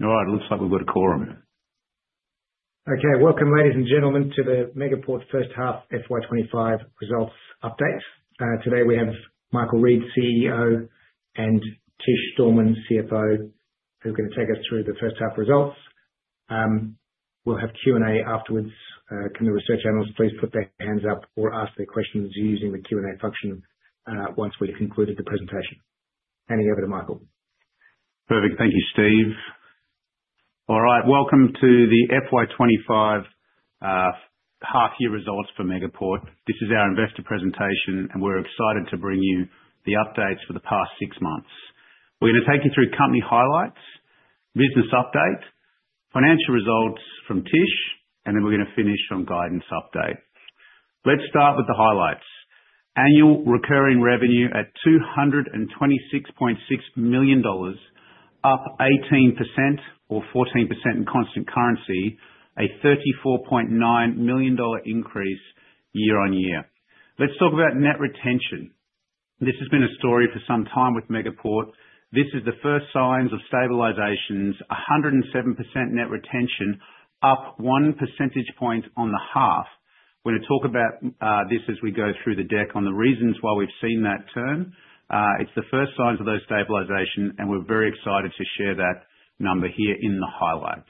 All right, it looks like we've got a quorum here. Okay, welcome ladies and gentlemen to the Megaport first half FY25 Results update. Today we have Michael Reid, CEO, and Tish Dorman, CFO, who are going to take us through the first half results. We'll have Q&A afterwards. Can the research analysts please put their hands up or ask their questions using the Q&A function once we've concluded the presentation? Handing it over to Michael. Perfect, thank you, Steve. All right, welcome to the FY25 Half-Year Results for Megaport. This is our investor presentation, and we're excited to bring you the updates for the past 6 months. We're going to take you through company highlights, business update, financial results from Tish, and then we're going to finish on guidance update. Let's start with the highlights. Annual recurring revenue at $226,600,000, up 18% or 14% in constant currency, a $34,900,000 increase year on year. Let's talk about net retention. This has been a story for some time with Megaport. This is the first signs of stabilizations: 107% net retention, up one percentage point on the half. We're going to talk about this as we go through the deck on the reasons why we've seen that turn.It's the first signs of those stabilizations, and we're very excited to share that number here in the highlights.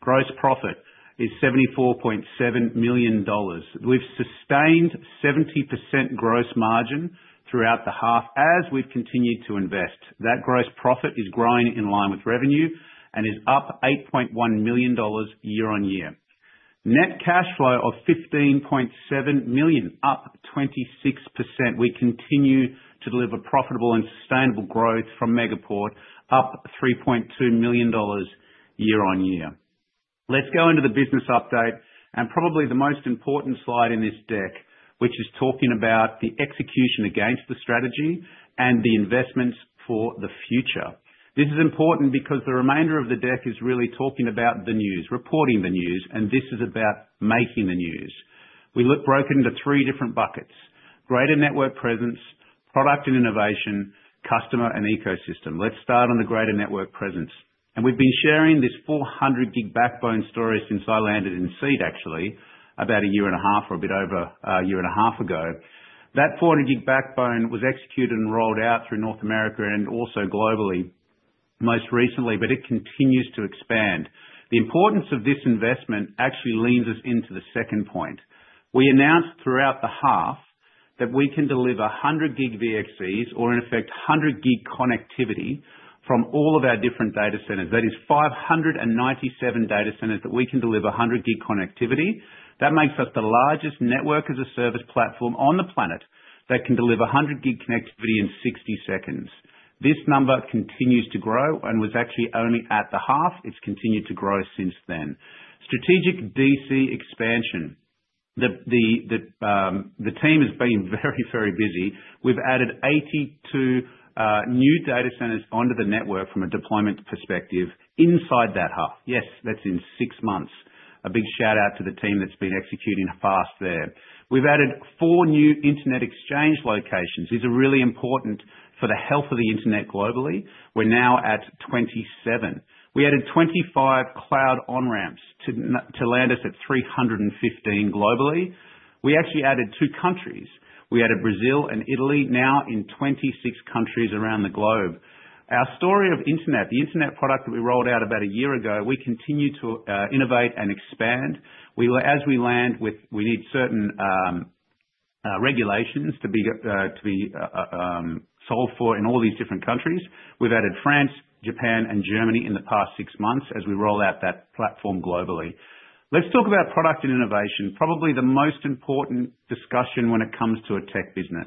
Gross profit is 74,700,000 dollars. We've sustained 70% gross margin throughout the half as we've continued to invest. That gross profit is growing in line with revenue and is up 8,100,000 dollars year on year. Net cash flow of 15,700,000, up 26%. We continue to deliver profitable and sustainable growth from Megaport, up 3,200,000 dollars year on year. Let's go into the business update and probably the most important slide in this deck, which is talking about the execution against the strategy and the investments for the future. This is important because the remainder of the deck is really talking about the news, reporting the news, and this is about making the news. We've broken into three different buckets: greater network presence, product and innovation, customer and ecosystem. Let's start on the greater network presence. We've been sharing this 400 Gb backbone story since I landed in Sydney, actually, about 1.5 year or a bit over 1.5 year. That 400 Gb backbone was executed and rolled out through North America and also globally most recently, but it continues to expand. The importance of this investment actually leans us into the second point. We announced throughout the half that we can deliver 100 Gb VXCs, or in effect, 100 Gb connectivity from all of our different data centers. That is 597 data centers that we can deliver 100 Gb connectivity. That makes us the largest network as a service platform on the planet that can deliver 100 Gb connectivity in 60 seconds. This number continues to grow and was actually only at the half. It's continued to grow since then. Strategic DC expansion. The team has been very, very busy. We've added 82 new data centers onto the network from a deployment perspective inside that half. Yes, that's in 6 months. A big shout-out to the team that's been executing fast there. We've added four new Internet Exchange locations. These are really important for the health of the internet globally. We're now at 27. We added 25 Cloud On-Ramps to land us at 315 globally. We actually added 2 countries. We added Brazil and Italy, now in 26 countries around the globe. Our story of internet, the Internet product that we rolled out about a year ago, we continue to innovate and expand. As we land with, we need certain regulations to be solved for in all these different countries. We've added France, Japan, and Germany in the past 6 months as we roll out that platform globally. Let's talk about product and innovation. Probably the most important discussion when it comes to a tech business.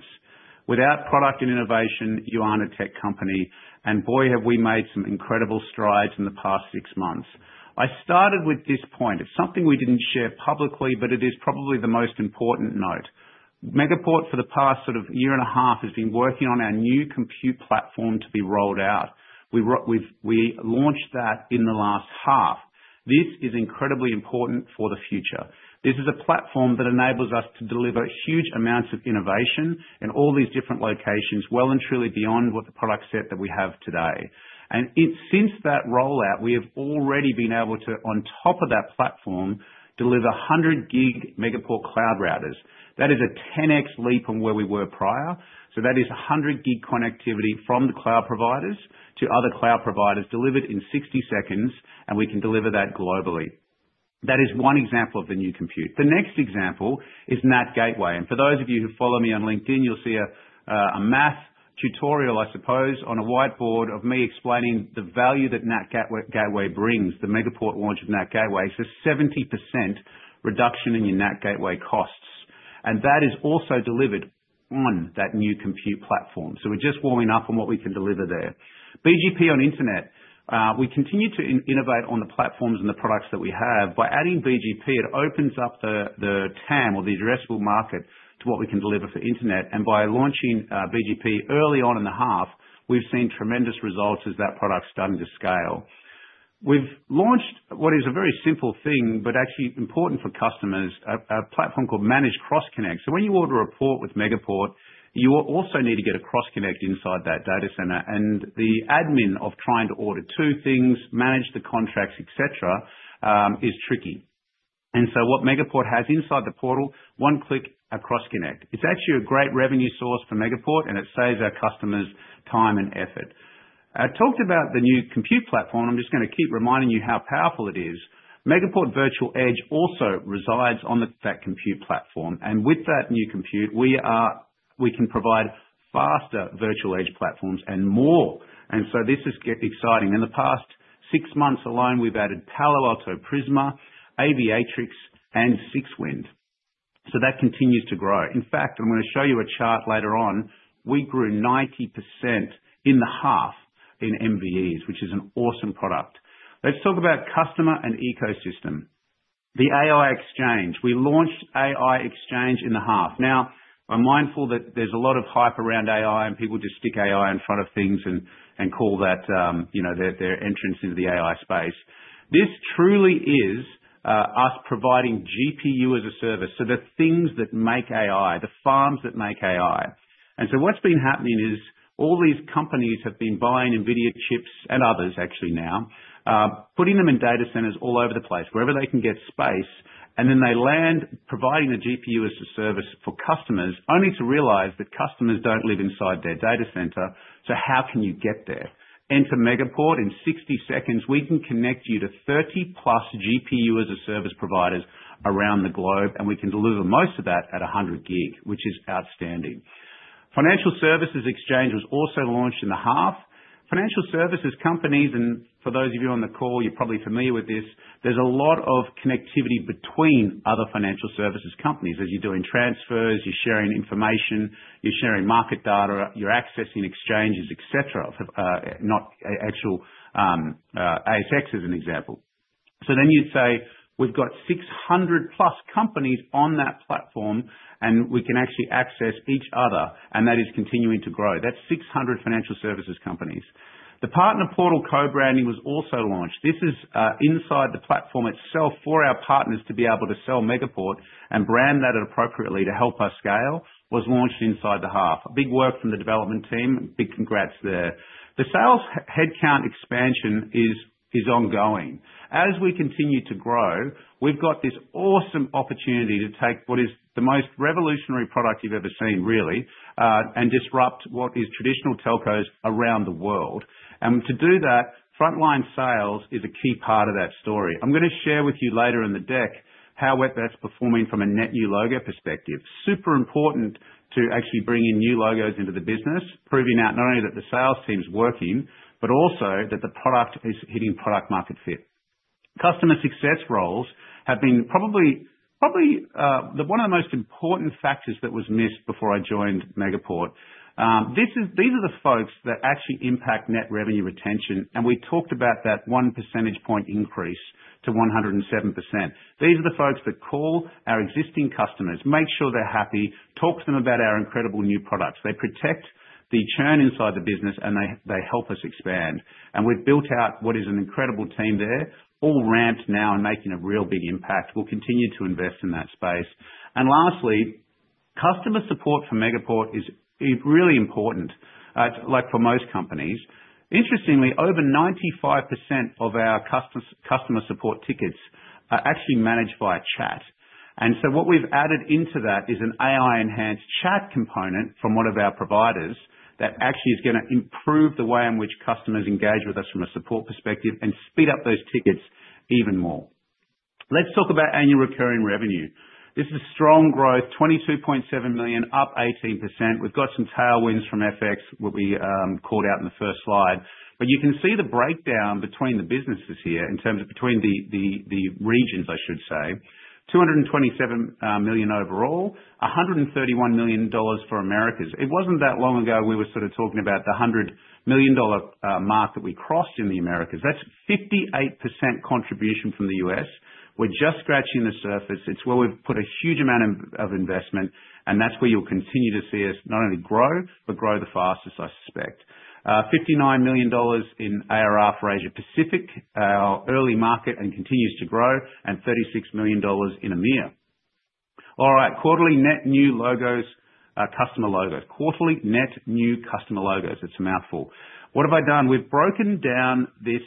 Without product and innovation, you aren't a tech company. And boy, have we made some incredible strides in the past 6 months. I started with this point. It's something we didn't share publicly, but it is probably the most important note. Megaport, for the past sort of year and a half, has been working on our new compute platform to be rolled out. We launched that in the last half. This is incredibly important for the future. This is a platform that enables us to deliver huge amounts of innovation in all these different locations, well and truly beyond what the product set that we have today. And since that rollout, we have already been able to, on top of that platform, deliver 100 Gb Megaport Cloud Routers.That is a 10x leap from where we were prior. So that is 100 Gb connectivity from the cloud providers to other cloud providers delivered in 60 seconds, and we can deliver that globally. That is one example of the new compute. The next example is NAT Gateway. And for those of you who follow me on LinkedIn, you'll see a math tutorial, I suppose, on a whiteboard of me explaining the value that NAT Gateway brings. The Megaport launch of NAT Gateway is a 70% reduction in your NAT Gateway costs. And that is also delivered on that new compute platform. So we're just warming up on what we can deliver there. BGP on internet. We continue to innovate on the platforms and the products that we have. By adding BGP, it opens up the TAM, or the addressable market, to what we can deliver for internet. And by launching BGP early on in the half, we've seen tremendous results as that product's starting to scale. We've launched what is a very simple thing, but actually important for customers, a platform called Managed Cross Connect. So when you order a port with Megaport, you also need to get a cross-connect inside that data center. And the admin of trying to order 2 things, manage the contracts, etc., is tricky. And so what Megaport has inside the portal, one-click, a cross-connect. It's actually a great revenue source for Megaport, and it saves our customers time and effort. I talked about the new compute platform, and I'm just going to keep reminding you how powerful it is. Megaport Virtual Edge also resides on that compute platform. And with that new compute, we can provide faster virtual edge platforms and more. And so this is exciting.In the past 6 months alone, we've added Palo Alto Prisma, Aviatrix, and 6WIND. So that continues to grow. In fact, I'm going to show you a chart later on. We grew 90% in the half in MVEs, which is an awesome product. Let's talk about customer and ecosystem. The AI Exchange. We launched AI Exchange in the half. Now, I'm mindful that there's a lot of hype around AI, and people just stick AI in front of things and call that their entrance into the AI space. This truly is us providing GPU as a Service. So the things that make AI, the farms that make AI. And so what's been happening is all these companies have been buying NVIDIA chips and others, actually now, putting them in data centers all over the place, wherever they can get space, and then they land providing the GPU as a service for customers, only to realize that customers don't live inside their data center. So how can you get there? And for Megaport, in 60 seconds, we can connect you to 30-plus GPU as a service providers around the globe, and we can deliver most of that at 100 Gb, which is outstanding. Financial Services Exchange was also launched in the half. Financial services companies, and for those of you on the call, you're probably familiar with this, there's a lot of connectivity between other financial services companies. As you're doing transfers, you're sharing information, you're sharing market data, you're accessing exchanges, etc., not actual ASX, as an example. So then you'd say, we've got 600-plus companies on that platform, and we can actually access each other, and that is continuing to grow. That's 600 financial services companies. The Partner Portal co-branding was also launched. This is inside the platform itself for our partners to be able to sell Megaport and brand that appropriately to help us scale was launched inside the half. Big work from the development team. Big congrats there. The sales headcount expansion is ongoing. As we continue to grow, we've got this awesome opportunity to take what is the most revolutionary product you've ever seen, really, and disrupt what is traditional telcos around the world, and to do that, frontline sales is a key part of that story. I'm going to share with you later in the deck how that's performing from a net new logo perspective. Super important to actually bring in new logos into the business, proving out not only that the sales team's working, but also that the product is hitting product-market fit. Customer success roles have been probably one of the most important factors that was missed before I joined Megaport. These are the folks that actually impact net revenue retention, and we talked about that one percentage point increase to 107%. These are the folks that call our existing customers, make sure they're happy, talk to them about our incredible new products. They protect the churn inside the business, and they help us expand, and we've built out what is an incredible team there, all ramped now and making a real big impact. We'll continue to invest in that space, and lastly, customer support for Megaport is really important, like for most companies. Interestingly, over 95% of our customer support tickets are actually managed by chat. And so what we've added into that is an AI-enhanced chat component from one of our providers that actually is going to improve the way in which customers engage with us from a support perspective and speed up those tickets even more. Let's talk about annual recurring revenue. This is strong growth, 22.7 ,000,000, up 18%. We've got some tailwinds from FX, what we called out in the first slide. But you can see the breakdown between the businesses here in terms of between the regions, I should say. 227 ,000,000 overall, $131 ,000,000 for Americas. It wasn't that long ago we were sort of talking about the $100 ,000,000 mark that we crossed in the Americas. That's 58% contribution from the US. We're just scratching the surface. It's where we've put a huge amount of investment, and that's where you'll continue to see us not only grow, but grow the fastest, I suspect. $59 ,000,000 in ARR for Asia Pacific, our early market, and continues to grow, and $36 ,000,000 in EMEA. All right, quarterly net new logos, customer logos. Quarterly net new customer logos. It's a mouthful. What have I done? We've broken down this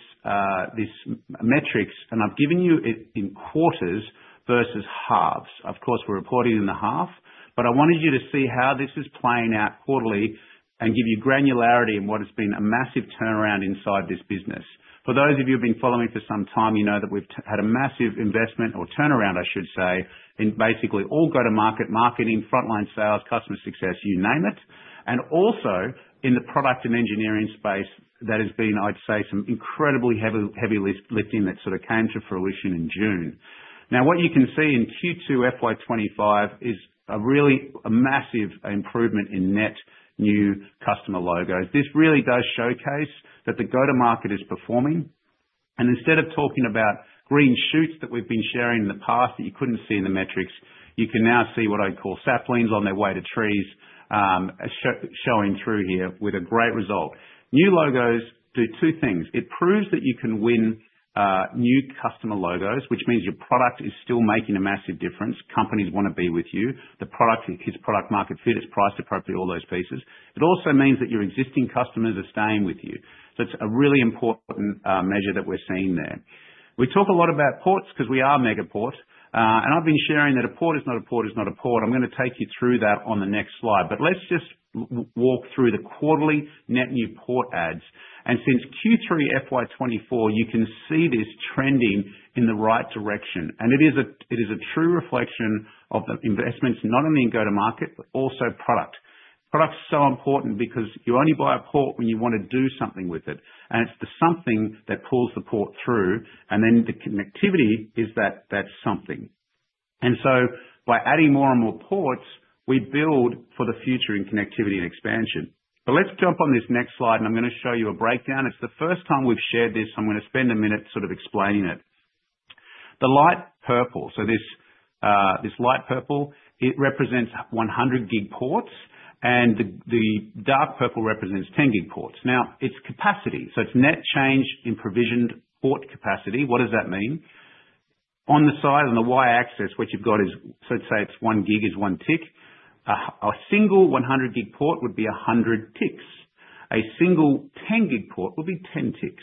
metrics, and I've given you it in quarters versus halves. Of course, we're reporting in the half, but I wanted you to see how this is playing out quarterly and give you granularity in what has been a massive turnaround inside this business. For those of you who have been following for some time, you know that we've had a massive investment or turnaround, I should say, in basically all go-to-market, marketing, frontline sales, customer success, you name it. And also, in the product and engineering space, that has been, I'd say, some incredibly heavy lifting that sort of came to fruition in June. Now, what you can see in Q2 FY25 is a really massive improvement in net new customer logos. This really does showcase that the go-to-market is performing. And instead of talking about green shoots that we've been sharing in the past that you couldn't see in the metrics, you can now see what I'd call saplings on their way to trees showing through here with a great result. New logos do 2 things. It proves that you can win new customer logos, which means your product is still making a massive difference. Companies want to be with you. The product hits product-market fit, it's priced appropriately, all those pieces. It also means that your existing customers are staying with you. So it's a really important measure that we're seeing there. We talk a lot about ports because we are Megaport. And I've been sharing that a port is not a port is not a port. I'm going to take you through that on the next slide. But let's just walk through the quarterly net new port adds. And since Q3 FY24, you can see this trending in the right direction. And it is a true reflection of the investments, not only in go-to-market, but also product. Product's so important because you only buy a port when you want to do something with it. And it's the something that pulls the port through. And then the connectivity is that something. And so by adding more and more ports, we build for the future in connectivity and expansion. But let's jump on this next slide, and I'm going to show you a breakdown. It's the first time we've shared this, so I'm going to spend a minute sort of explaining it. The light purple, so this light purple, it represents 100 Gb ports, and the dark purple represents 10 Gb ports. Now, it's capacity. So it's net change in provisioned port capacity. What does that mean? On the side on the Y-axis, what you've got is, so to say, it's one gig is one tick. A single 100 Gb port would be 100 ticks. A single 10 Gb port would be 10 ticks.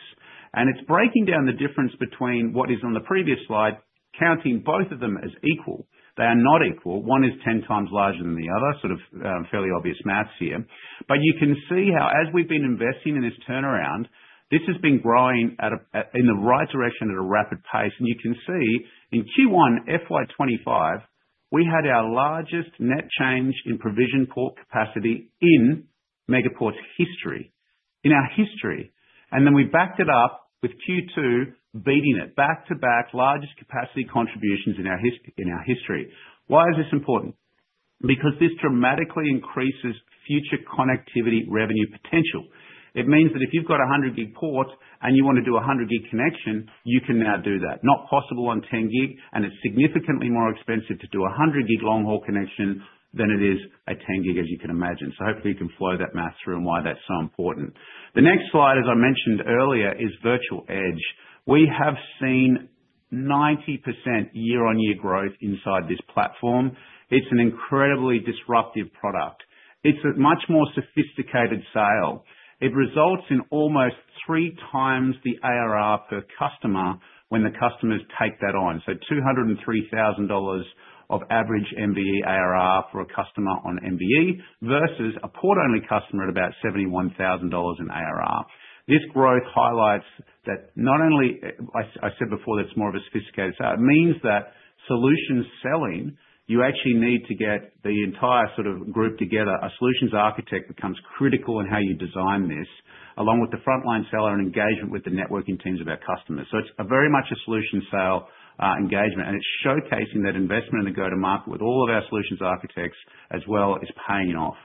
And it's breaking down the difference between what is on the previous slide, counting both of them as equal. They are not equal. One is 10x larger than the other, sort of fairly obvious math here. But you can see how, as we've been investing in this turnaround, this has been growing in the right direction at a rapid pace. And you can see in Q1 FY25, we had our largest net change in provision port capacity in Megaport's history, in our history. And then we backed it up with Q2, beating it back to back, largest capacity contributions in our history. Why is this important? Because this dramatically increases future connectivity revenue potential. It means that if you've got 100 Gb port and you want to do a 100 Gb connection, you can now do that. Not possible on 10 Gb, and it's significantly more expensive to do a 100 Gb long-haul connection than it is a 10 Gb, as you can imagine. So hopefully, you can flow that math through and why that's so important. The next slide, as I mentioned earlier, is virtual edge. We have seen 90% year-on-year growth inside this platform. It's an incredibly disruptive product. It's a much more sophisticated sale. It results in almost three times the ARR per customer when the customers take that on. So $203,000 of average MVE ARR for a customer on MVE versus a port-only customer at about $71,000 in ARR. This growth highlights that not only, I said before, that's more of a sophisticated sale. It means that solution selling, you actually need to get the entire sort of group together. A solutions architect becomes critical in how you design this, along with the frontline seller and engagement with the networking teams of our customers. So it's very much a solution sale engagement, and it's showcasing that investment in the go-to-market with all of our solutions architects as well is paying off.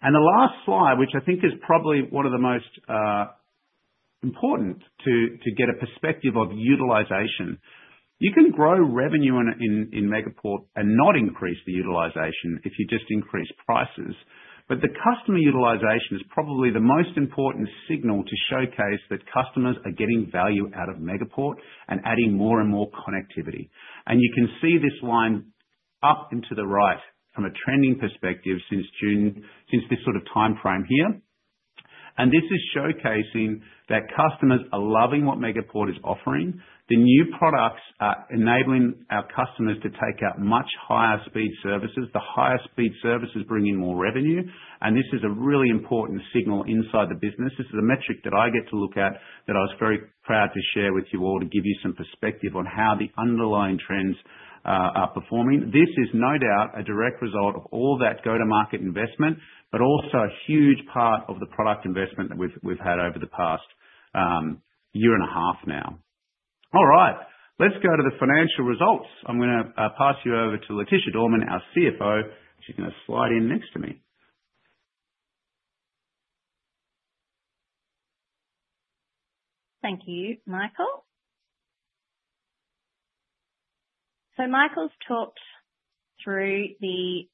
And the last slide, which I think is probably one of the most important to get a perspective of utilization. You can grow revenue in Megaport and not increase the utilization if you just increase prices. But the customer utilization is probably the most important signal to showcase that customers are getting value out of Megaport and adding more and more connectivity. And you can see this line up into the right from a trending perspective since this sort of time frame here. And this is showcasing that customers are loving what Megaport is offering. The new products are enabling our customers to take out much higher-speed services. The higher-speed services bring in more revenue. And this is a really important signal inside the business. This is a metric that I get to look at that I was very proud to share with you all to give you some perspective on how the underlying trends are performing. This is no doubt a direct result of all that go-to-market investment, but also a huge part of the product investment that we've had over the past year and a half now. All right, let's go to the financial results. I'm going to pass you over to Leticia Dorman, our CFO. She's going to slide in next to me. Thank you, Michael. Michael's talked through the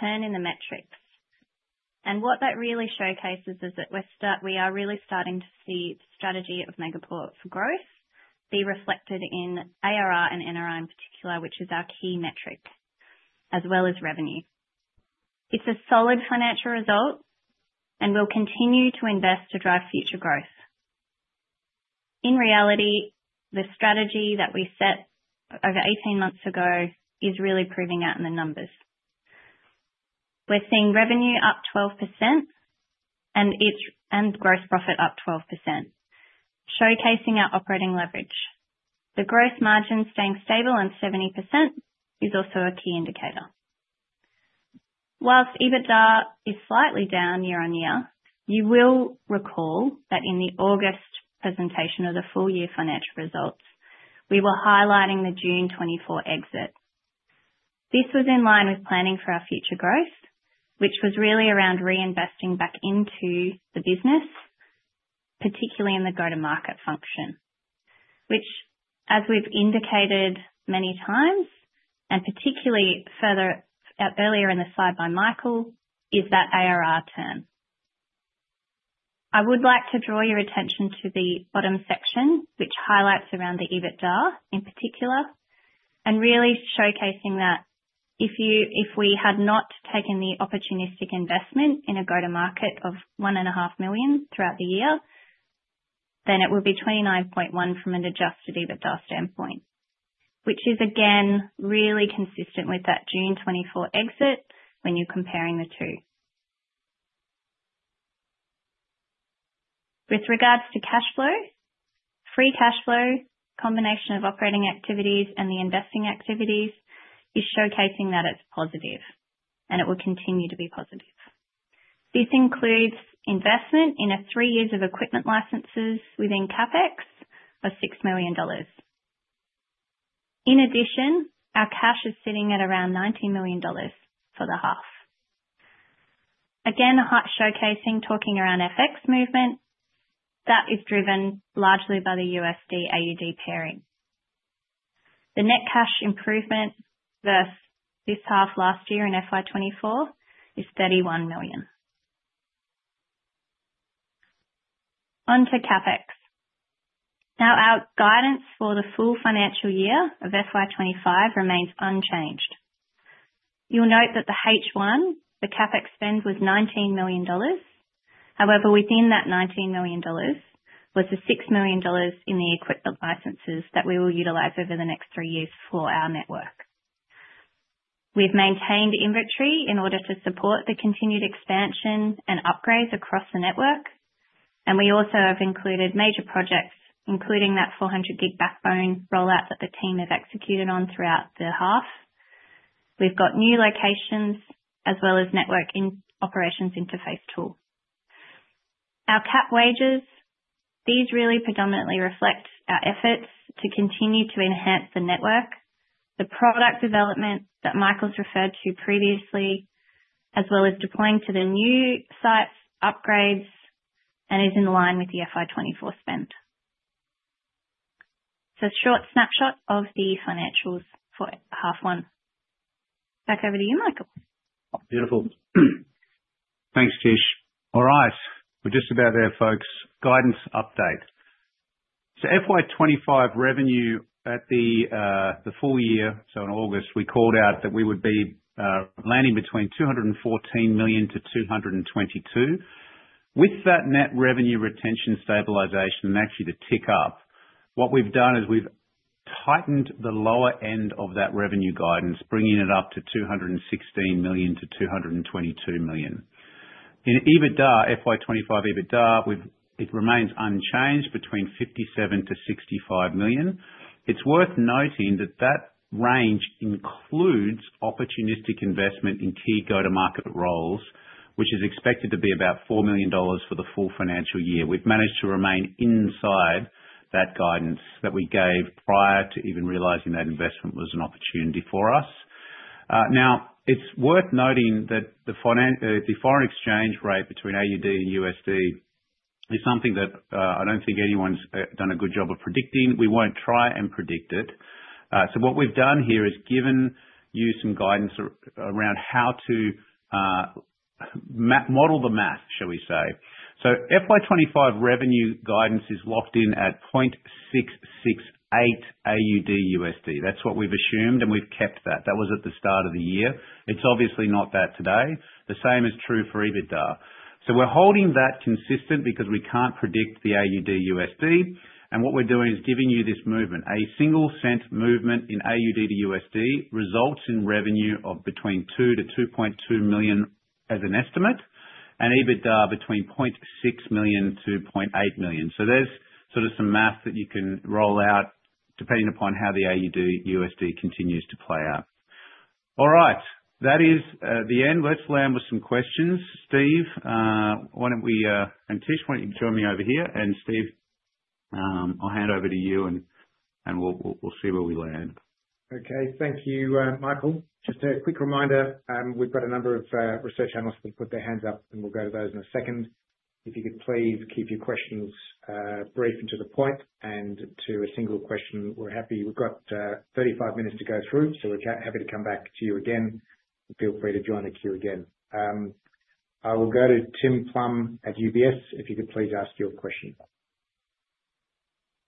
turn in the metrics. What that really showcases is that we are really starting to see the strategy of Megaport for growth be reflected in ARR and NRR in particular, which is our key metric, as well as revenue. It's a solid financial result, and we'll continue to invest to drive future growth. In reality, the strategy that we set over 18 months ago is really proving out in the numbers. We're seeing revenue up 12% and gross profit up 12%, showcasing our operating leverage. The gross margin staying stable on 70% is also a key indicator. While EBITDA is slightly down year-on-year, you will recall that in the August Presentation of the Full-Year Financial Results, we were highlighting the June 2024 exit. This was in line with planning for our future growth, which was really around reinvesting back into the business, particularly in the go-to-market function, which, as we've indicated many times and particularly further earlier in the slide by Michael, is that ARR turn. I would like to draw your attention to the bottom section, which highlights around the EBITDA in particular, and really showcasing that if we had not taken the opportunistic investment in a go-to-market of 1,500,000 throughout the year, then it would be 29,100,000 from an adjusted EBITDA standpoint, which is again really consistent with that June 2024 exit when you're comparing the 2. With regards to cash flow, free cash flow, combination of operating activities and the investing activities, is showcasing that it's positive, and it will continue to be positive. This includes investment in three years of equipment licenses within CapEx of 6,000,000 dollars. In addition, our cash is sitting at around 19,000,000 dollars for the half. Again, showcasing talking around FX movement that is driven largely by the USD/AUD pairing. The net cash improvement versus this half last year in FY24 is 31,000,000. On to CapEx. Now, our guidance for the full financial year of FY25 remains unchanged. You'll note that the H1, the CapEx spend, was 19,000,000 dollars. However, within that 19,000,000 dollars was the 6,000,000 dollars in the equipment licenses that we will utilize over the next three years for our network. We've maintained inventory in order to support the continued expansion and upgrades across the network, and we also have included major projects, including that 400 Gb backbone rollout that the team have executed on throughout the half. We've got new locations as well as network operations interface tool. Our CapEx, these really predominantly reflect our efforts to continue to enhance the network, the product development that Michael's referred to previously, as well as deploying to the new sites, upgrades, and is in line with the FY24 spend. So a short snapshot of the financials for half one. Back over to you, Michael. Beautiful. Thanks, Tish. All right, we're just about there, folks. Guidance update. So FY25 revenue at the full year, so in August, we called out that we would be landing between 214,000,000 to 222,000,000. With that net revenue retention stabilization and actually the tick up, what we've done is we've tightened the lower end of that revenue guidance, bringing it up to 216,000,000 to 222,000,000. In EBITDA, FY25 EBITDA, it remains unchanged between 57,000,000 to 65,000,000. It's worth noting that that range includes opportunistic investment in key go-to-market roles, which is expected to be about 4,000,000 dollars for the full financial year. We've managed to remain inside that guidance that we gave prior to even realizing that investment was an opportunity for us. Now, it's worth noting that the foreign exchange rate between AUD and USD is something that I don't think anyone's done a good job of predicting. We won't try and predict it. So what we've done here is given you some guidance around how to model the math, shall we say. So FY25 revenue guidance is locked in at 0.668 AUD/USD. That's what we've assumed, and we've kept that. That was at the start of the year. It's obviously not that today. The same is true for EBITDA.So we're holding that consistent because we can't predict the AUD/USD. And what we're doing is giving you this movement. A single cent movement in AUD to USD results in revenue of between 2,000,000-2,200,000 as an estimate, and EBITDA between 600,000-800,000. So there's sort of some math that you can roll out depending upon how the AUD/USD continues to play out. All right, that is the end. Let's land with some questions, Steve. Why don't we and Tish, why don't you join me over here? And Steve, I'll hand over to you, and we'll see where we land. Okay, thank you, Michael. Just a quick reminder, we've got a number of research analysts that have put their hands up, and we'll go to those in a second. If you could please keep your questions brief and to the point, and to a single question, we're happy. We've got 35 minutes to go through, so we're happy to come back to you again. Feel free to join the queue again. I will go to Tim Plumbe at UBS, if you could please ask your question.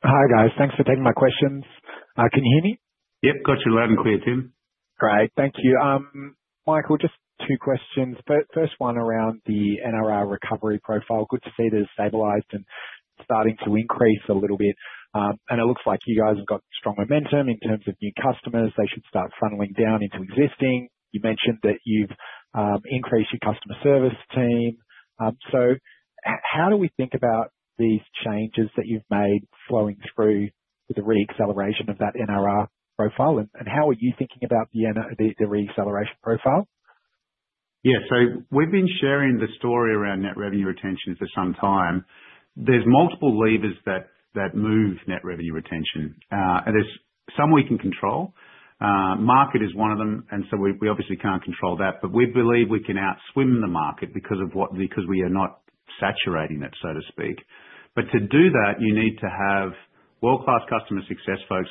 Hi guys, thanks for taking my questions. Can you hear me? Yep, got you loud and clear, Tim. Great, thank you. Michael, just 2 questions. First one around the NRR recovery profile. Good to see that it's stabilized and starting to increase a little bit. And it looks like you guys have got strong momentum in terms of new customers. They should start funneling down into existing. You mentioned that you've increased your customer service team. So how do we think about these changes that you've made flowing through the reacceleration of that NRR profile? And how are you thinking about the reacceleration profile? Yeah, so we've been sharing the story around net revenue retention for some time. There's multiple levers that move net revenue retention, and there's some we can control. Market is one of them, and so we obviously can't control that. But we believe we can outswim the market because we are not saturating it, so to speak. But to do that, you need to have world-class customer success, folks,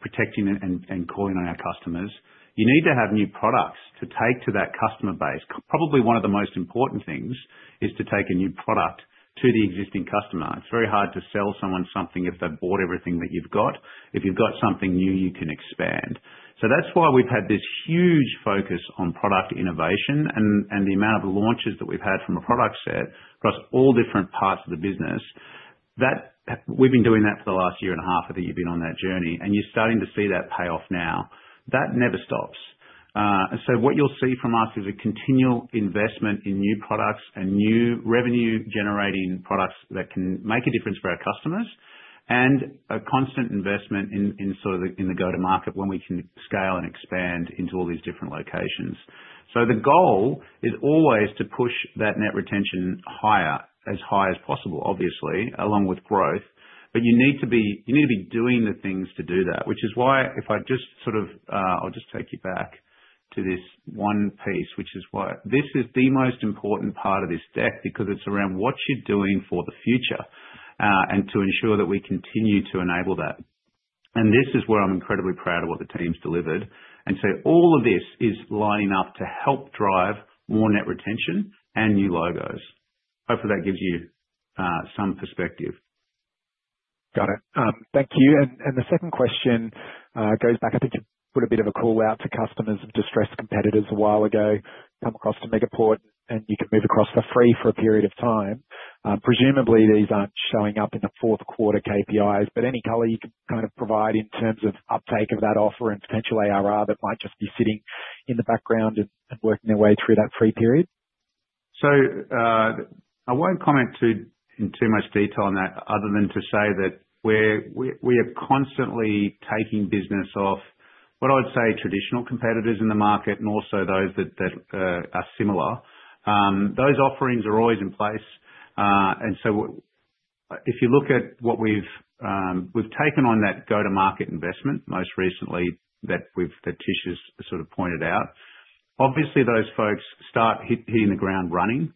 protecting and calling on our customers. You need to have new products to take to that customer base. Probably one of the most important things is to take a new product to the existing customer. It's very hard to sell someone something if they've bought everything that you've got. If you've got something new, you can expand. So that's why we've had this huge focus on product innovation and the amount of launches that we've had from a product set across all different parts of the business. We've been doing that for the last year and a half, I think you've been on that journey, and you're starting to see that pay off now. That never stops. So what you'll see from us is a continual investment in new products and new revenue-generating products that can make a difference for our customers, and a constant investment in sort of the go-to-market when we can scale and expand into all these different locations. So the goal is always to push that net retention higher, as high as possible, obviously, along with growth. But you need to be doing the things to do that, which is why, if I just sort of, I'll just take you back to this one piece, which is why this is the most important part of this deck because it's around what you're doing for the future and to ensure that we continue to enable that. And this is where I'm incredibly proud of what the team's delivered. And so all of this is lining up to help drive more net retention and new logos. Hopefully, that gives you some perspective. Got it. Thank you. And the second question goes back. I think you put a bit of a call out to customers of distressed competitors a while ago, come across to Megaport, and you can move across for free for a period of time. Presumably, these aren't showing up in the fourth quarter KPIs, but any color you can kind of provide in terms of uptake of that offer and potential ARR that might just be sitting in the background and working their way through that free period? I won't comment too much detail on that other than to say that we are constantly taking business off, what I would say, traditional competitors in the market and also those that are similar. Those offerings are always in place. If you look at what we've taken on that go-to-market investment most recently that Tish has sort of pointed out, obviously, those folks start hitting the ground running,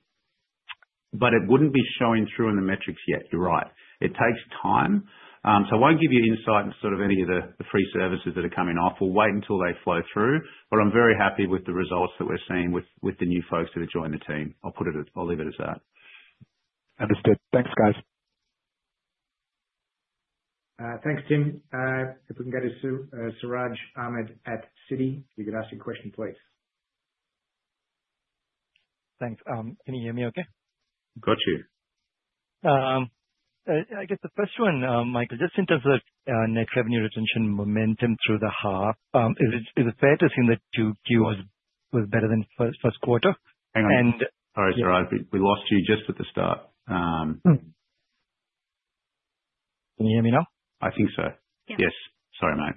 but it wouldn't be showing through in the metrics yet. You're right. It takes time. I won't give you insight into sort of any of the free services that are coming off. We'll wait until they flow through, but I'm very happy with the results that we're seeing with the new folks that have joined the team. I'll leave it as that. Understood. Thanks, guys. Thanks, Tim. If we can get to Siraj Ahmed at Citi, if you could ask your question, please. Thanks. Can you hear me okay? Got you. I guess the first one, Michael, just in terms of net revenue retention momentum through the half, is it fair to assume that Q2 was better than first quarter? Hang on. Sorry, Suraj, we lost you just at the start. Can you hear me now? I think so. Yes. Sorry, mate.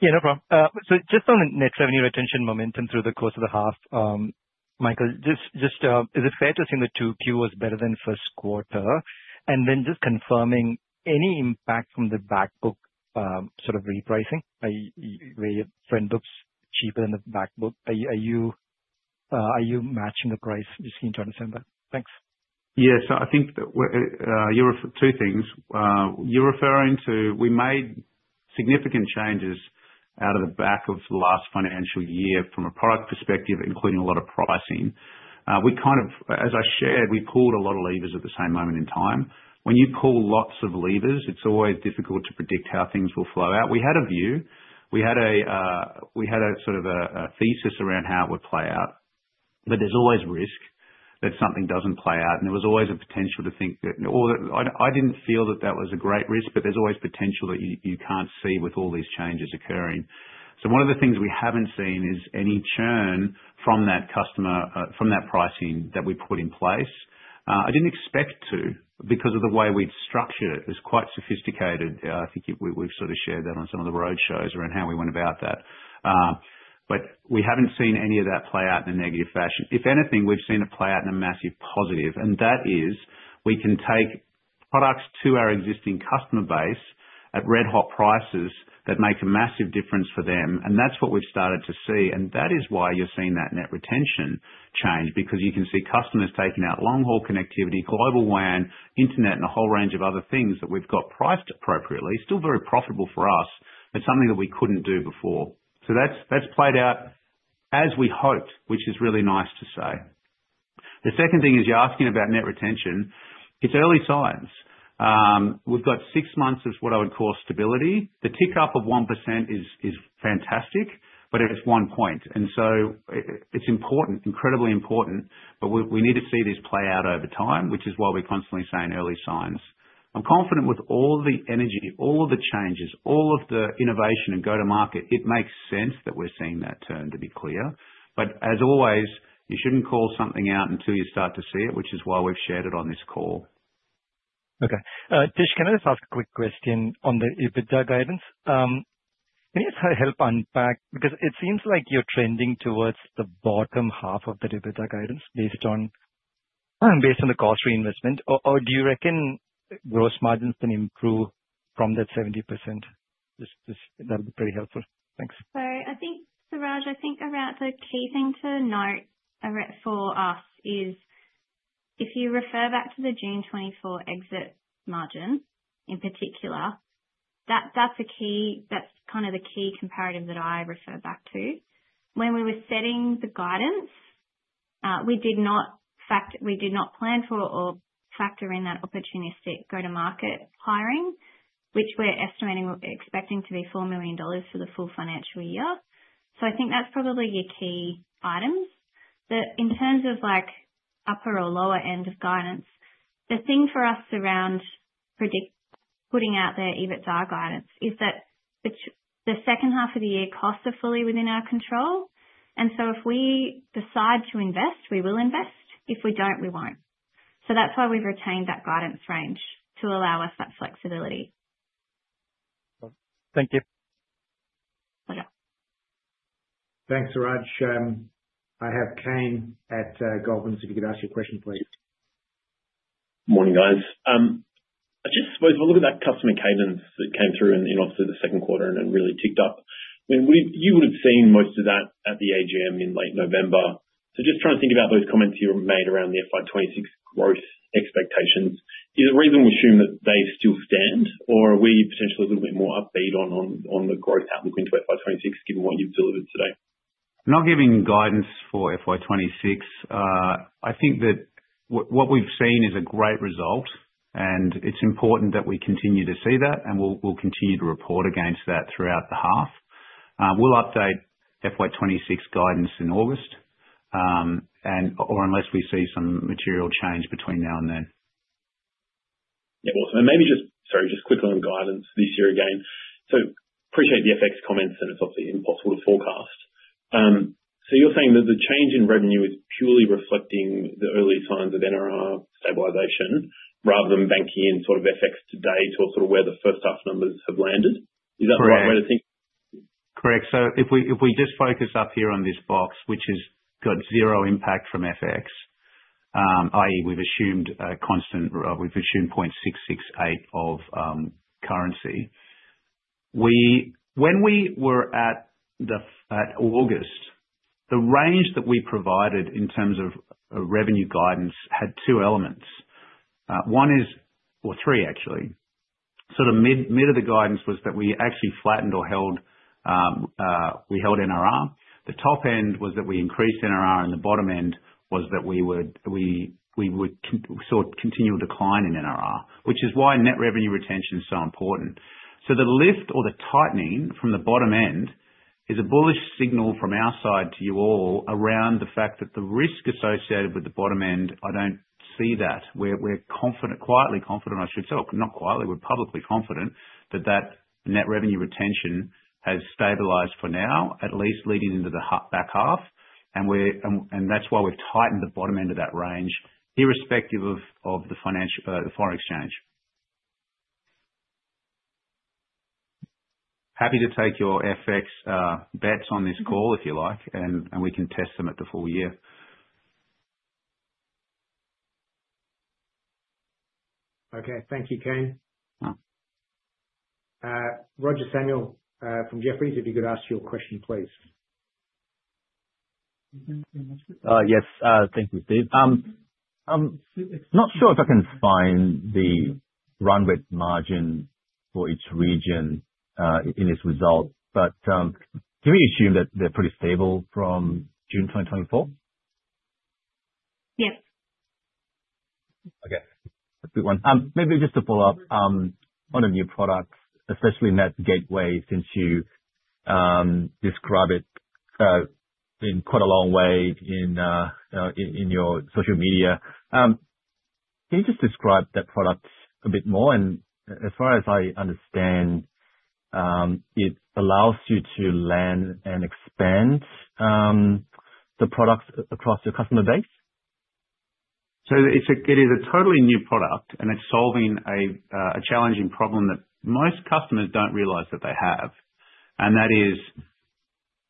Yeah, no problem. So just on the net revenue retention momentum through the course of the half, Michael, just is it fair to assume that Q2 was better than first quarter? And then just confirming any impact from the back book sort of repricing where your front books cheaper than the back book? Are you matching the price? Just need to understand that. Thanks. Yeah, so I think you're 2 things. You're referring to we made significant changes out of the back of last financial year from a product perspective, including a lot of pricing. We kind of, as I shared, we pulled a lot of levers at the same moment in time. When you pull lots of levers, it's always difficult to predict how things will flow out. We had a view. We had a sort of a thesis around how it would play out, but there's always risk that something doesn't play out. And there was always a potential to think that I didn't feel that that was a great risk, but there's always potential that you can't see with all these changes occurring. So one of the things we haven't seen is any churn from that customer, from that pricing that we put in place.I didn't expect to because of the way we'd structured it. It was quite sophisticated. I think we've sort of shared that on some of the roadshows around how we went about that. But we haven't seen any of that play out in a negative fashion. If anything, we've seen it play out in a massive positive. And that is we can take products to our existing customer base at red-hot prices that make a massive difference for them. And that's what we've started to see. And that is why you're seeing that net retention change, because you can see customers taking out long-haul connectivity, global WAN, internet, and a whole range of other things that we've got priced appropriately, still very profitable for us. It's something that we couldn't do before. So that's played out as we hoped, which is really nice to say. The second thing is you're asking about net retention. It's early signs. We've got 6 months of what I would call stability. The tick up of 1% is fantastic, but it's one point. And so it's important, incredibly important, but we need to see this play out over time, which is why we're constantly saying early signs. I'm confident with all the energy, all of the changes, all of the innovation and go-to-market, it makes sense that we're seeing that turn, to be clear. But as always, you shouldn't call something out until you start to see it, which is why we've shared it on this Call. Okay. Tish, can I just ask a quick question on the EBITDA guidance? Can you help unpack? Because it seems like you're trending towards the bottom half of the EBITDA guidance based on the cost reinvestment. Or do you reckon gross margins can improve from that 70%? That would be pretty helpful. Thanks. Sorry. I think, Suraj, the key thing to note for us is if you refer back to the June 2024 exit margin in particular, that's the key comparative that I refer back to. When we were setting the guidance, we did not plan for or factor in that opportunistic go-to-market hiring, which we're estimating to be 4,000,000 dollars for the full financial year. So I think that's probably your key items. But in terms of upper or lower end of guidance, the thing for us around putting out their EBITDA guidance is that the second half of the year costs are fully within our control. And so if we decide to invest, we will invest. If we don't, we won't. So that's why we've retained that guidance range to allow us that flexibility. Thank you. Pleasure. Thanks, Siraj. I have Kane at Goldman's. If you could ask your question, please. Morning, guys. I just suppose we'll look at that customer cadence that came through in obviously the second quarter and really ticked up. I mean, you would have seen most of that at the AGM in late November. So just trying to think about those comments you were made around the FY26 growth expectations. Is it reasonable to assume that they still stand, or are we potentially a little bit more upbeat on the growth outlook into FY26 given what you've delivered today? I'm not giving guidance for FY26. I think that what we've seen is a great result, and it's important that we continue to see that, and we'll continue to report against that throughout the half. We'll update FY26 guidance in August, or unless we see some material change between now and then. Yeah, awesome. And maybe just, sorry, just quick on guidance this year again. So appreciate the FX comments, and it's obviously impossible to forecast. So you're saying that the change in revenue is purely reflecting the early signs of NRR stabilization rather than banking in sort of FX today to sort of where the first half numbers have landed. Is that the right way to think? Correct. So if we just focus up here on this box, which has got zero impact from FX, i.e., we've assumed a constant 0.668 exchange rate. When we were at August, the range that we provided in terms of revenue guidance had 2 elements. One is, or three, actually. Sort of mid of the guidance was that we actually flattened or held NRR. The top end was that we increased NRR, and the bottom end was that we would see a continual decline in NRR, which is why net revenue retention is so important. So the lift or the tightening from the bottom end is a bullish signal from our side to you all around the fact that the risk associated with the bottom end, I don't see that. We're quietly confident, I should say, not quietly, we're publicly confident that that net revenue retention has stabilized for now, at least leading into the back half. And that's why we've tightened the bottom end of that range, irrespective of the foreign exchange. Happy to take your FX bets on this call if you like, and we can test them at the full year. Okay. Thank you, Kane. Roger Samuel from Jefferies, if you could ask your question, please. Yes. Thank you, Steve. Not sure if I can find the run rate margin for each region in this result, but can we assume that they're pretty stable from June 2024? Yes. Okay. A good one. Maybe just to follow up on a new product, especially NAT Gateway, since you described it in quite a long way in your social media. Can you just describe that product a bit more? And as far as I understand, it allows you to land and expand the products across your customer base? It is a totally new product, and it's solving a challenging problem that most customers don't realize that they have. That is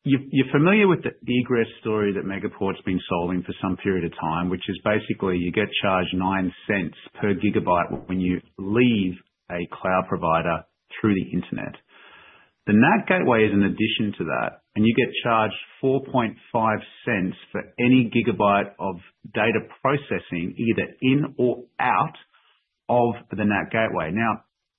you're familiar with the egress story that Megaport's been solving for some period of time, which is basically you get charged 9 cents per gigabyte when you leave a cloud provider through the internet. The NAT Gateway is an addition to that, and you get charged 4.5 cents for any Gb of data processing either in or out of the NAT Gateway.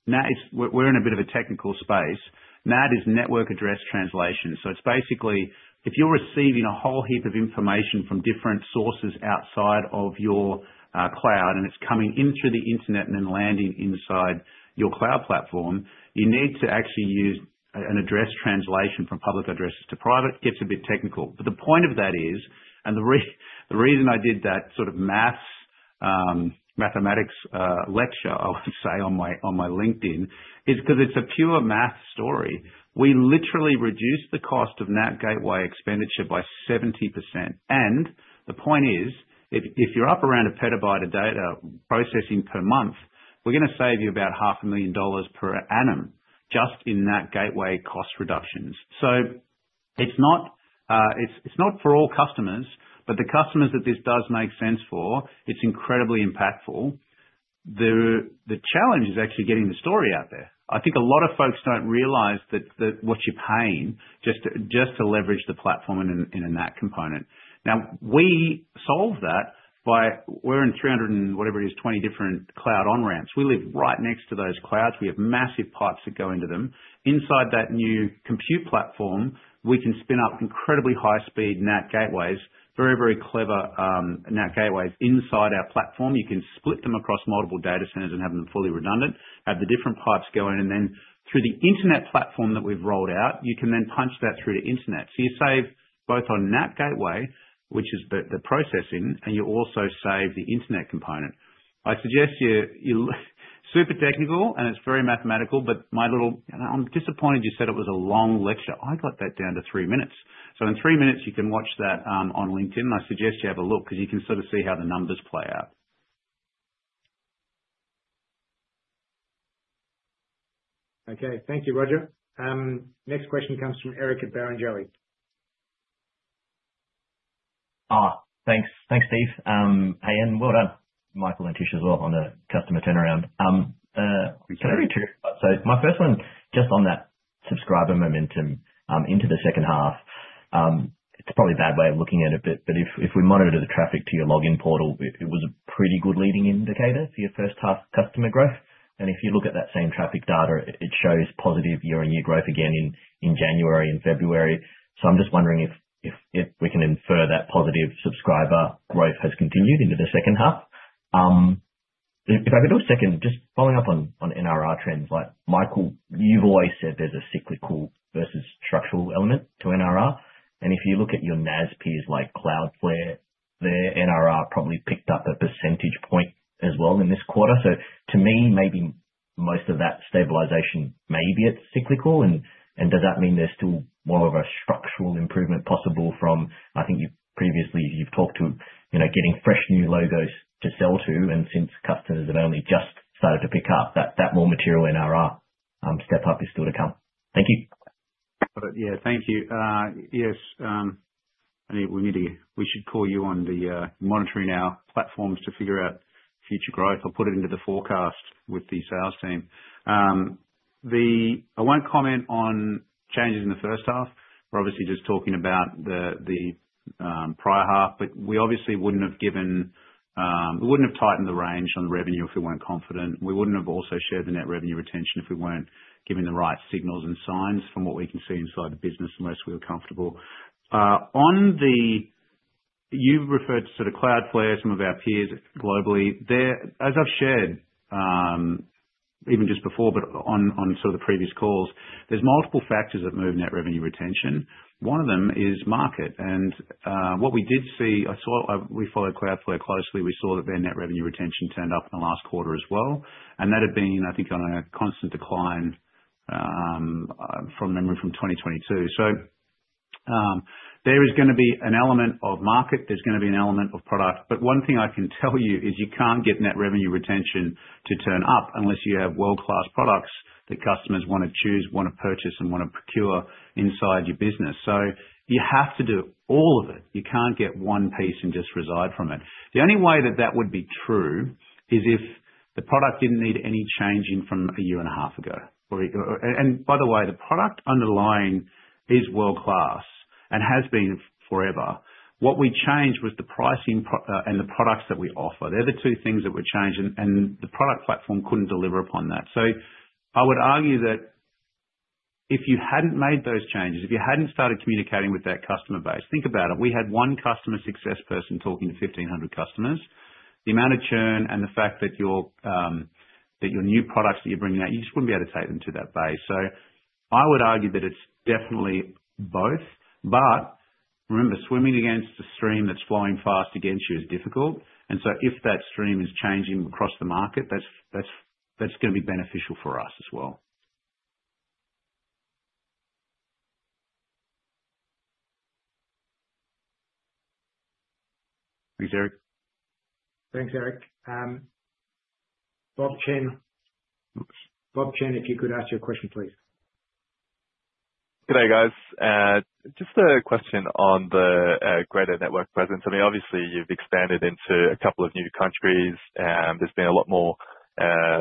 Now, we're in a bit of a technical space. NAT is network address translation. So it's basically if you're receiving a whole heap of information from different sources outside of your cloud, and it's coming in through the internet and then landing inside your cloud platform, you need to actually use an address translation from public addresses to private. It gets a bit technical. But the point of that is, and the reason I did that sort of mathematics lecture, I would say, on my LinkedIn is because it's a pure math story. We literally reduced the cost of NAT gateway expenditure by 70%. And the point is, if you're up around a petabyte of data processing per month, we're going to save you about $500,000 per annum just in NAT gateway cost reductions. So it's not for all customers, but the customers that this does make sense for, it's incredibly impactful. The challenge is actually getting the story out there. I think a lot of folks don't realize that what you're paying just to leverage the platform in a NAT component. Now, we solve that by we're in 320 different cloud on-ramps. We live right next to those clouds. We have massive pipes that go into them. Inside that new compute platform, we can spin up incredibly high-speed NAT gateways, very, very clever NAT gateways inside our platform. You can split them across multiple data centers and have them fully redundant, have the different pipes go in. And then through the internet platform that we've rolled out, you can then punch that through to internet. So you save both on NAT gateway, which is the processing, and you also save the internet component. I suggest you're super technical, and it's very mathematical, but a little, I'm disappointed you said it was a long lecture. I got that down to 3 minutes. So in 3 minutes, you can watch that on LinkedIn. I suggest you have a look because you can sort of see how the numbers play out. Okay. Thank you, Roger. Next question comes from Eric at Barrenjoey. Thanks. Thanks, Steve. Hey, and well done, Michael and Tish as well on the customer turnaround. Can I ask 2? So my first one just on that subscriber momentum into the second half. It's probably a bad way of looking at it, but if we monitored the traffic to your login portal, it was a pretty good leading indicator for your first-half customer growth. And if you look at that same traffic data, it shows positive year-on-year growth again in January and February. So I'm just wondering if we can infer that positive subscriber growth has continued into the second half. If I could do a second, just following up on NRR trends. Like Michael, you've always said there's a cyclical versus structural element to NRR. And if you look at your NaaS peers like Cloudflare, their NRR probably picked up a percentage point as well in this quarter. So to me, maybe most of that stabilization may be cyclical. And does that mean there's still more of a structural improvement possible from, I think you've previously talked to getting fresh new logos to sell to? And since customers have only just started to pick up, that more material NRR step-up is still to come. Thank you. Yeah, thank you. Yes. We should call you on the monitoring our platforms to figure out future growth. I'll put it into the forecast with the sales team. I won't comment on changes in the first half. We're obviously just talking about the prior half, but we obviously wouldn't have tightened the range on revenue if we weren't confident. We wouldn't have also shared the net revenue retention if we weren't giving the right signals and signs from what we can see inside the business unless we were comfortable. You've referred to sort of Cloudflare, some of our peers globally. As I've shared even just before, but on sort of the previous calls, there's multiple factors that move net revenue retention. One of them is market. And what we did see, we followed Cloudflare closely. We saw that their net revenue retention turned up in the last quarter as well. And that had been, I think, on a constant decline from memory from 2022. So there is going to be an element of market. There's going to be an element of product. But one thing I can tell you is you can't get net revenue retention to turn up unless you have world-class products that customers want to choose, want to purchase, and want to procure inside your business. So you have to do all of it. You can't get one piece and just reside from it. The only way that that would be true is if the product didn't need any changing from a year and a half ago. And by the way, the product underlying is world-class and has been forever. What we changed was the pricing and the products that we offer. They're the 2 things that were changed, and the product platform couldn't deliver upon that. So I would argue that if you hadn't made those changes, if you hadn't started communicating with that customer base, think about it. We had one customer success person talking to 1,500 customers. The amount of churn and the fact that your new products that you're bringing out, you just wouldn't be able to take them to that base. So I would argue that it's definitely both. But remember, swimming against a stream that's flowing fast against you is difficult. And so if that stream is changing across the market, that's going to be beneficial for us as well. Thanks, Eric. Thanks, Eric. Bob Chen. Bob Chen, if you could ask your question, please. Good day, guys. Just a question on the greater network presence. I mean, obviously, you've expanded into a couple of new countries. There's been a lot more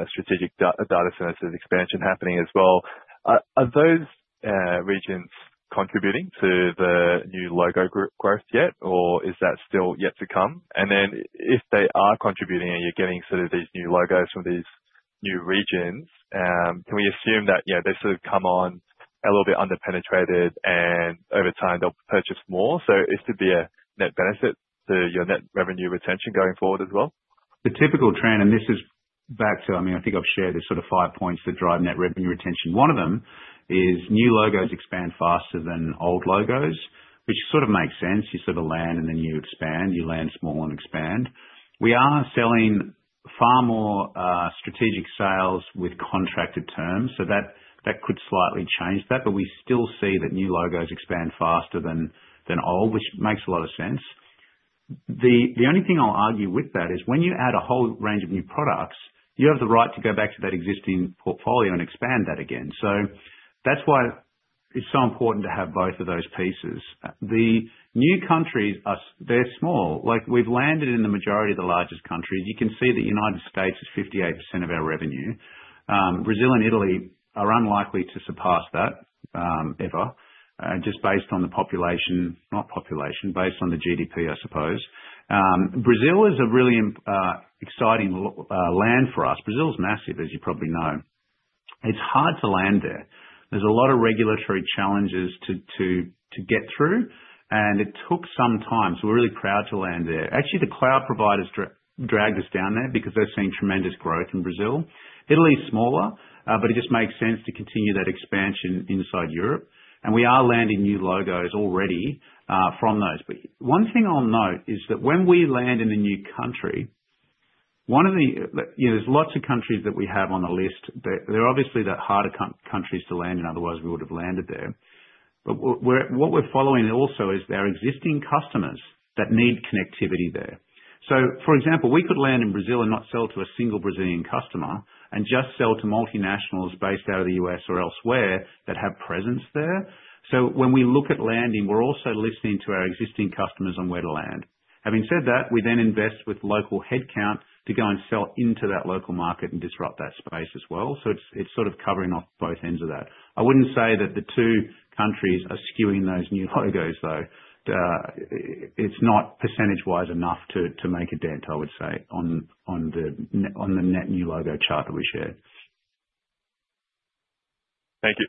strategic data centers of expansion happening as well. Are those regions contributing to the new logo growth yet, or is that still yet to come? And then if they are contributing and you're getting sort of these new logos from these new regions, can we assume that they've sort of come on a little bit under-penetrated and over time they'll purchase more? So it could be a net benefit to your net revenue retention going forward as well? The typical trend, and this is back to, I mean, I think I've shared the sort of five points that drive Net Revenue Retention. One of them is new logos expand faster than old logos, which sort of makes sense. You sort of land and then you expand. You land small and expand. We are selling far more strategic sales with contracted terms. So that could slightly change that, but we still see that new logos expand faster than old, which makes a lot of sense. The only thing I'll argue with that is when you add a whole range of new products, you have the right to go back to that existing portfolio and expand that again. So that's why it's so important to have both of those pieces. The new countries, they're small. We've landed in the majority of the largest countries. You can see that the United States is 58% of our revenue. Brazil and Italy are unlikely to surpass that ever, just based on the population, not population, based on the GDP, I suppose. Brazil is a really exciting land for us. Brazil is massive, as you probably know. It's hard to land there. There's a lot of regulatory challenges to get through, and it took some time. So we're really proud to land there. Actually, the cloud providers dragged us down there because they're seeing tremendous growth in Brazil. Italy is smaller, but it just makes sense to continue that expansion inside Europe, and we are landing new logos already from those, but one thing I'll note is that when we land in a new country, one of the there's lots of countries that we have on the list. They're obviously the harder countries to land in, otherwise we would have landed there. But what we're following also is our existing customers that need connectivity there. So for example, we could land in Brazil and not sell to a single Brazilian customer and just sell to multinationals based out of the U.S. or elsewhere that have presence there. So when we look at landing, we're also listening to our existing customers on where to land. Having said that, we then invest with local headcount to go and sell into that local market and disrupt that space as well. So it's sort of covering off both ends of that. I wouldn't say that the 2 countries are skewing those new logos, though. It's not percentage-wise enough to make a dent I would say on the net new logo chart that we shared. Thank you.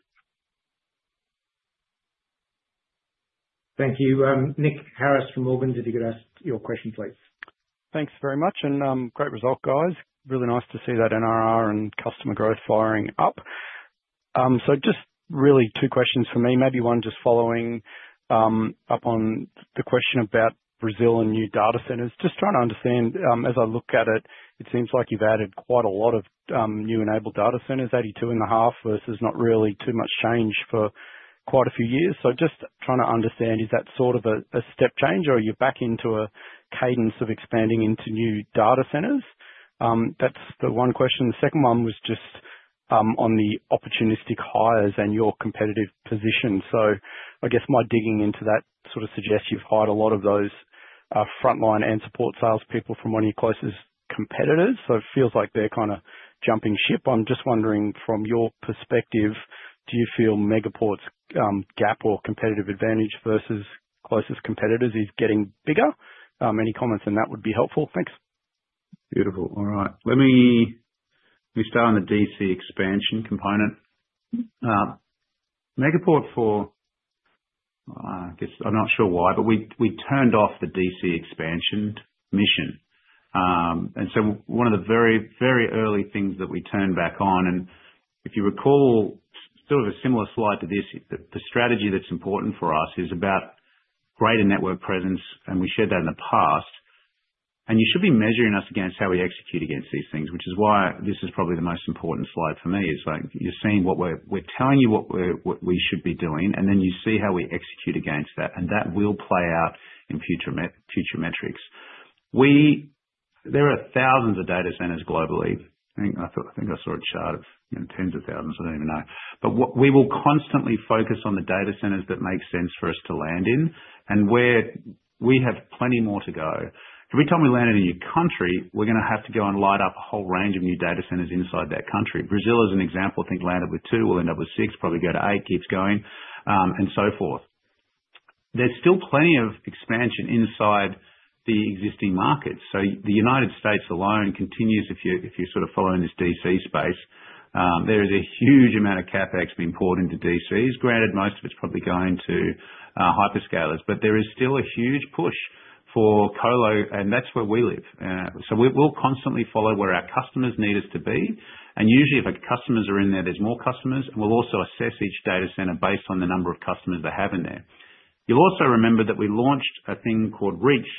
Thank you. Nick Harris from JPMorgan, did you get asked your question, please? Thanks very much. And great result, guys. Really nice to see that NRR and customer growth firing up. So just really 2 questions for me. Maybe one just following up on the question about Brazil and new data centers. Just trying to understand, as I look at it, it seems like you've added quite a lot of new enabled data centers, 82.5 versus not really too much change for quite a few years. So just trying to understand, is that sort of a step change or are you back into a cadence of expanding into new data centers? That's the one question. The second one was just on the opportunistic hires and your competitive position. So I guess my digging into that sort of suggests you've hired a lot of those frontline and support salespeople from one of your closest competitors. So it feels like they're kind of jumping ship. I'm just wondering from your perspective, do you feel Megaport's gap or competitive advantage versus closest competitors is getting bigger? Any comments on that would be helpful? Thanks. Beautiful. All right. Let me start on the DC expansion component. Megaport, for, I guess I'm not sure why, but we turned off the DC expansion mission. And so one of the very, very early things that we turned back on, and if you recall, sort of a similar slide to this, the strategy that's important for us is about greater network presence, and we shared that in the past. And you should be measuring us against how we execute against these things, which is why this is probably the most important slide for me. It's like you're seeing what we're telling you what we should be doing, and then you see how we execute against that, and that will play out in future metrics. There are thousands of data centers globally. I think I saw a chart of tens of thousands. I don't even know. But we will constantly focus on the data centers that make sense for us to land in, and we have plenty more to go. Every time we land in a new country, we're going to have to go and light up a whole range of new data centers inside that country. Brazil, as an example, I think landed with 2, will end up with 6, probably go to, keeps going, and so forth. There's still plenty of expansion inside the existing markets. So the United States alone continues, if you're sort of following this DC space, there is a huge amount of CapEx being poured into DCs. Granted, most of it's probably going to hyperscalers, but there is still a huge push for Colo, and that's where we live. So we'll constantly follow where our customers need us to be. And usually, if our customers are in there, there's more customers, and we'll also assess each data center based on the number of customers they have in there. You'll also remember that we launched a thing called Reach,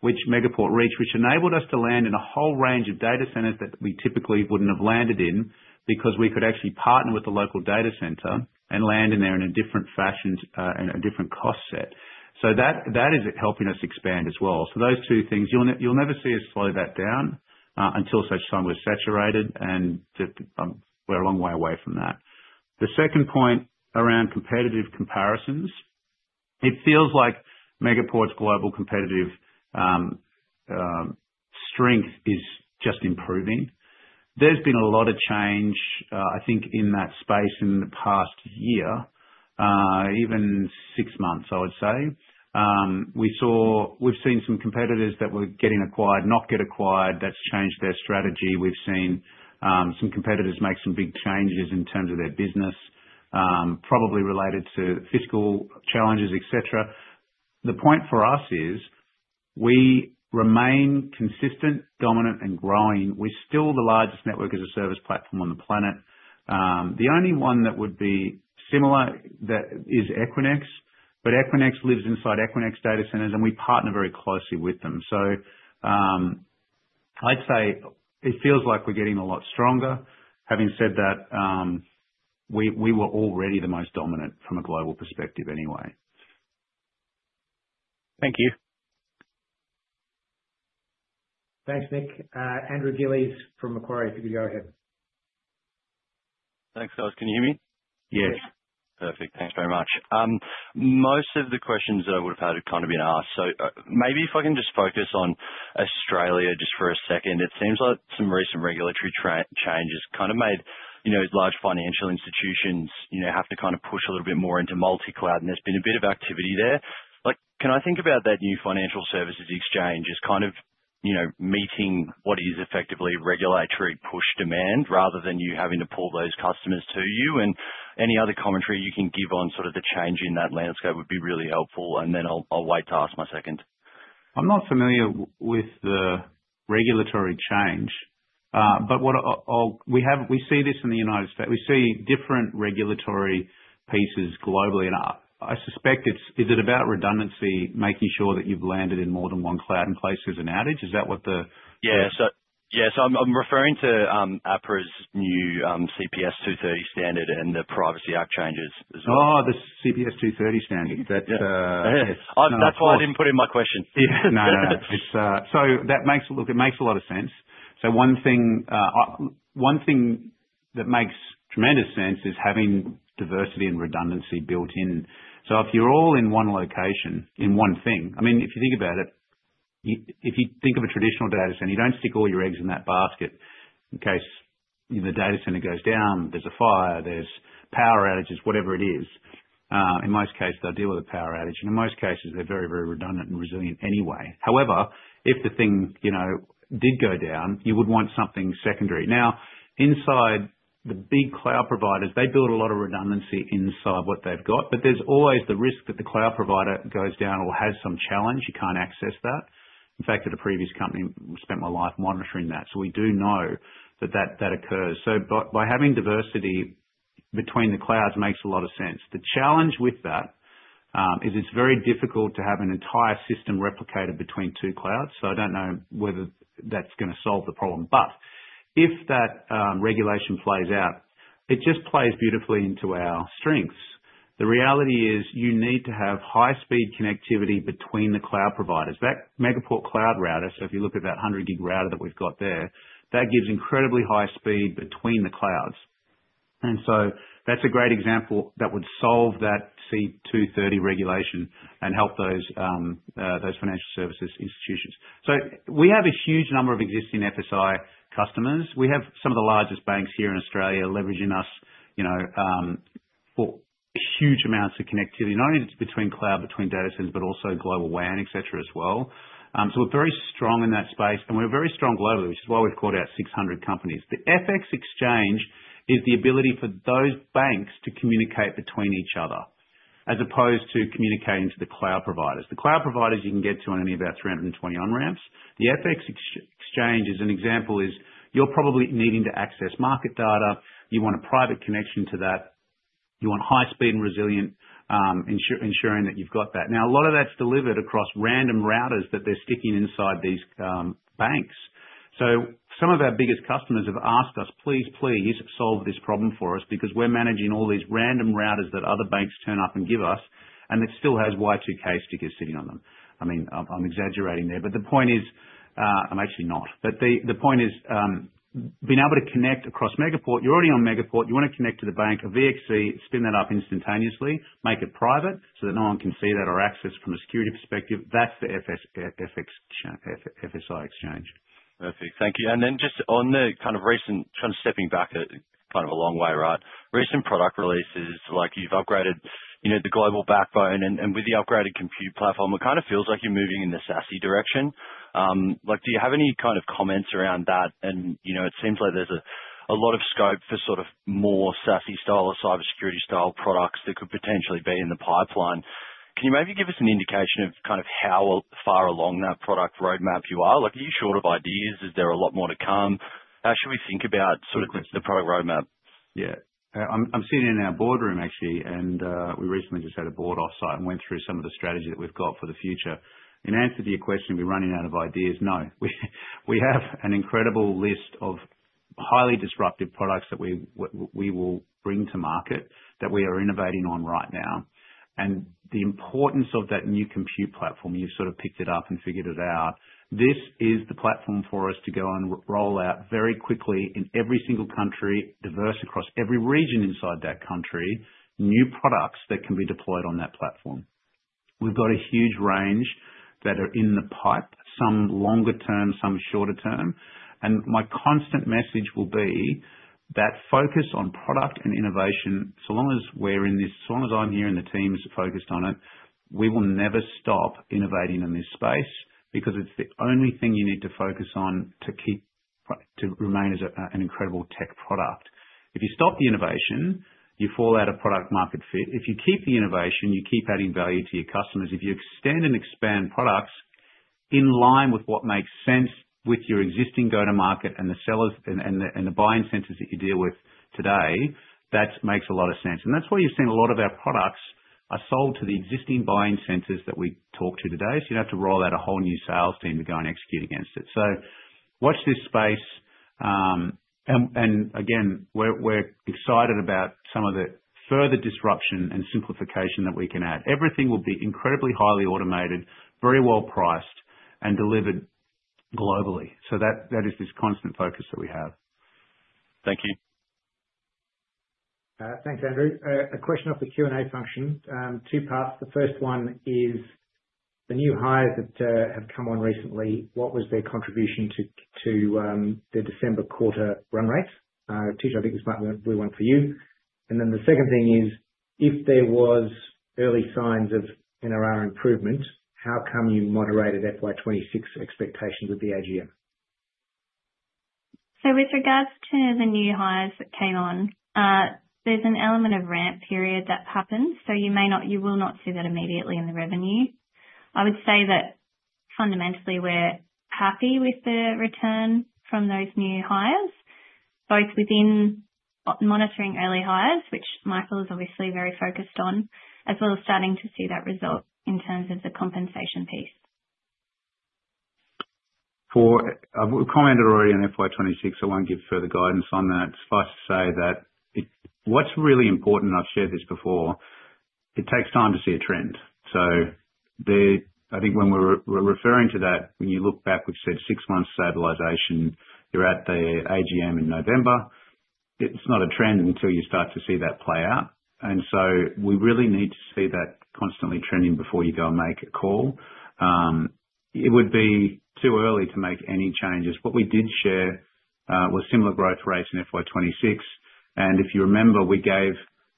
which Megaport Reach, which enabled us to land in a whole range of data centers that we typically wouldn't have landed in because we could actually partner with the local data center and land in there in a different fashion and a different cost set. So that is helping us expand as well. So those 2 things, you'll never see us slow that down until such time we're saturated, and we're a long way away from that. The second point around competitive comparisons, it feels like Megaport's global competitive strength is just improving. There's been a lot of change, I think, in that space in the past year, even 6 months, I would say. We've seen some competitors that were getting acquired, not get acquired, that's changed their strategy. We've seen some competitors make some big changes in terms of their business, probably related to fiscal challenges, etc. The point for us is we remain consistent, dominant, and growing. We're still the largest network as a service platform on the planet. The only one that would be similar is Equinix, but Equinix lives inside Equinix data centers, and we partner very closely with them. So I'd say it feels like we're getting a lot stronger. Having said that, we were already the most dominant from a global perspective anyway. Thank you. Thanks, Nick. Andrew Gillies from Macquarie, if you could go ahead. Thanks, guys. Can you hear me? Yes. Perfect. Thanks very much. Most of the questions that I would have had have kind of been asked, so maybe if I can just focus on Australia just for a second. It seems like some recent regulatory changes kind of made large financial institutions have to kind of push a little bit more into multicloud, and there's been a bit of activity there. Can I think about that new Financial Services Exchange as kind of meeting what is effectively regulatory push demand rather than you having to pull those customers to you, and any other commentary you can give on sort of the change in that landscape would be really helpful, and then I'll wait to ask my second. I'm not familiar with the regulatory change, but we see this in the United States. We see different regulatory pieces globally. And I suspect it's, is it about redundancy, making sure that you've landed in more than one cloud in place as an outage? Is that what the. Yeah. Yeah. So, I'm referring to APRA's new CPS 230 standard and the Privacy Act changes as well. Oh, the CPS 230 standard. Yeah. That's why I didn't put in my question. Yeah. No, no. So that makes a lot of sense. So one thing that makes tremendous sense is having diversity and redundancy built in. So if you're all in one location, in one thing, I mean, if you think about it, if you think of a traditional data center, you don't stick all your eggs in that basket in case the data center goes down, there's a fire, there's power outages, whatever it is. In most cases, they'll deal with a power outage. And in most cases, they're very, very redundant and resilient anyway. However, if the thing did go down, you would want something secondary. Now, inside the big cloud providers, they build a lot of redundancy inside what they've got, but there's always the risk that the cloud provider goes down or has some challenge. You can't access that.In fact, at a previous company, I spent my life monitoring that. So we do know that that occurs. So by having diversity between the clouds makes a lot of sense. The challenge with that is it's very difficult to have an entire system replicated between 2 clouds. So I don't know whether that's going to solve the problem. But if that regulation plays out, it just plays beautifully into our strengths. The reality is you need to have high-speed connectivity between the cloud providers. That Megaport Cloud Router, so if you look at that 100 Gb router that we've got there, that gives incredibly high speed between the clouds. And so that's a great example that would solve that CPS 230 regulation and help those financial services institutions. So we have a huge number of existing FSI customers. We have some of the largest banks here in Australia leveraging us for huge amounts of connectivity, not only between cloud, between data centers, but also global WAN, etc. as well. So we're very strong in that space, and we're very strong globally, which is why we've called out 600 companies. The Financial Services Exchange is the ability for those banks to communicate between each other as opposed to communicating to the cloud providers. The cloud providers you can get to on any of our 320 on-ramps. The Financial Services Exchange is an example. You're probably needing to access market data. You want a private connection to that. You want high-speed and resilient, ensuring that you've got that. Now, a lot of that's delivered across our MCRs that they're sticking inside these banks. So some of our biggest customers have asked us, "Please, please solve this problem for us because we're managing all these random routers that other banks turn up and give us, and it still has Y2K stickers sitting on them." I mean, I'm exaggerating there, but the point is, I'm actually not. But the point is being able to connect across Megaport. You're already on Megaport. You want to connect to the bank, a VXC, spin that up instantaneously, make it private so that no one can see that or access from a security perspective. That's the FSI Exchange. Perfect. Thank you. And then just on the kind of recent, kind of stepping back kind of a long way, right? Recent product releases, like you've upgraded the global backbone, and with the upgraded compute platform, it kind of feels like you're moving in the SASE direction. Do you have any kind of comments around that? And it seems like there's a lot of scope for sort of more SASE style or cybersecurity style products that could potentially be in the pipeline. Can you maybe give us an indication of kind of how far along that product roadmap you are? Are you short of ideas? Is there a lot more to come? How should we think about sort of the product roadmap? Yeah. I'm sitting in our boardroom, actually, and we recently just had a board offsite and went through some of the strategy that we've got for the future. In answer to your question, we're running out of ideas. No. We have an incredible list of highly disruptive products that we will bring to market that we are innovating on right now. And the importance of that new compute platform, you've sort of picked it up and figured it out. This is the platform for us to go and roll out very quickly in every single country, diverse across every region inside that country, new products that can be deployed on that platform. We've got a huge range that are in the pipe, some longer term, some shorter term.My constant message will be that focus on product and innovation, so long as we're in this, so long as I'm here and the team is focused on it, we will never stop innovating in this space because it's the only thing you need to focus on to remain as an incredible tech product. If you stop the innovation, you fall out of product-market fit. If you keep the innovation, you keep adding value to your customers. If you extend and expand products in line with what makes sense with your existing go-to-market and the sellers and the buying centers that you deal with today, that makes a lot of sense. And that's why you've seen a lot of our products are sold to the existing buying centers that we talk to today, so you don't have to roll out a whole new sales team to go and execute against it. So watch this space. And again, we're excited about some of the further disruption and simplification that we can add. Everything will be incredibly highly automated, very well priced, and delivered globally. So that is this constant focus that we have. Thank you. Thanks, Andrew. A question off the Q&A function.2 parts. The first one is the new hires that have come on recently, what was their contribution to the December quarter run rate? Tish, I think this might be a good one for you. And then the second thing is, if there were early signs of NRR improvement, how come you moderated FY26 expectations with the AGM? So with regards to the new hires that came on, there's an element of ramp period that happens. So you will not see that immediately in the revenue. I would say that fundamentally, we're happy with the return from those new hires, both within monitoring early hires, which Michael is obviously very focused on, as well as starting to see that result in terms of the compensation piece. I've commented already on FY26. I won't give further guidance on that. Suffice to say that what's really important, and I've shared this before, it takes time to see a trend. So I think when we were referring to that, when you look back, we've said 6 months stabilization. You're at the AGM in November. It's not a trend until you start to see that play out. And so we really need to see that constantly trending before you go and make a call. It would be too early to make any changes. What we did share was similar growth rates in FY26.And if you remember, we gave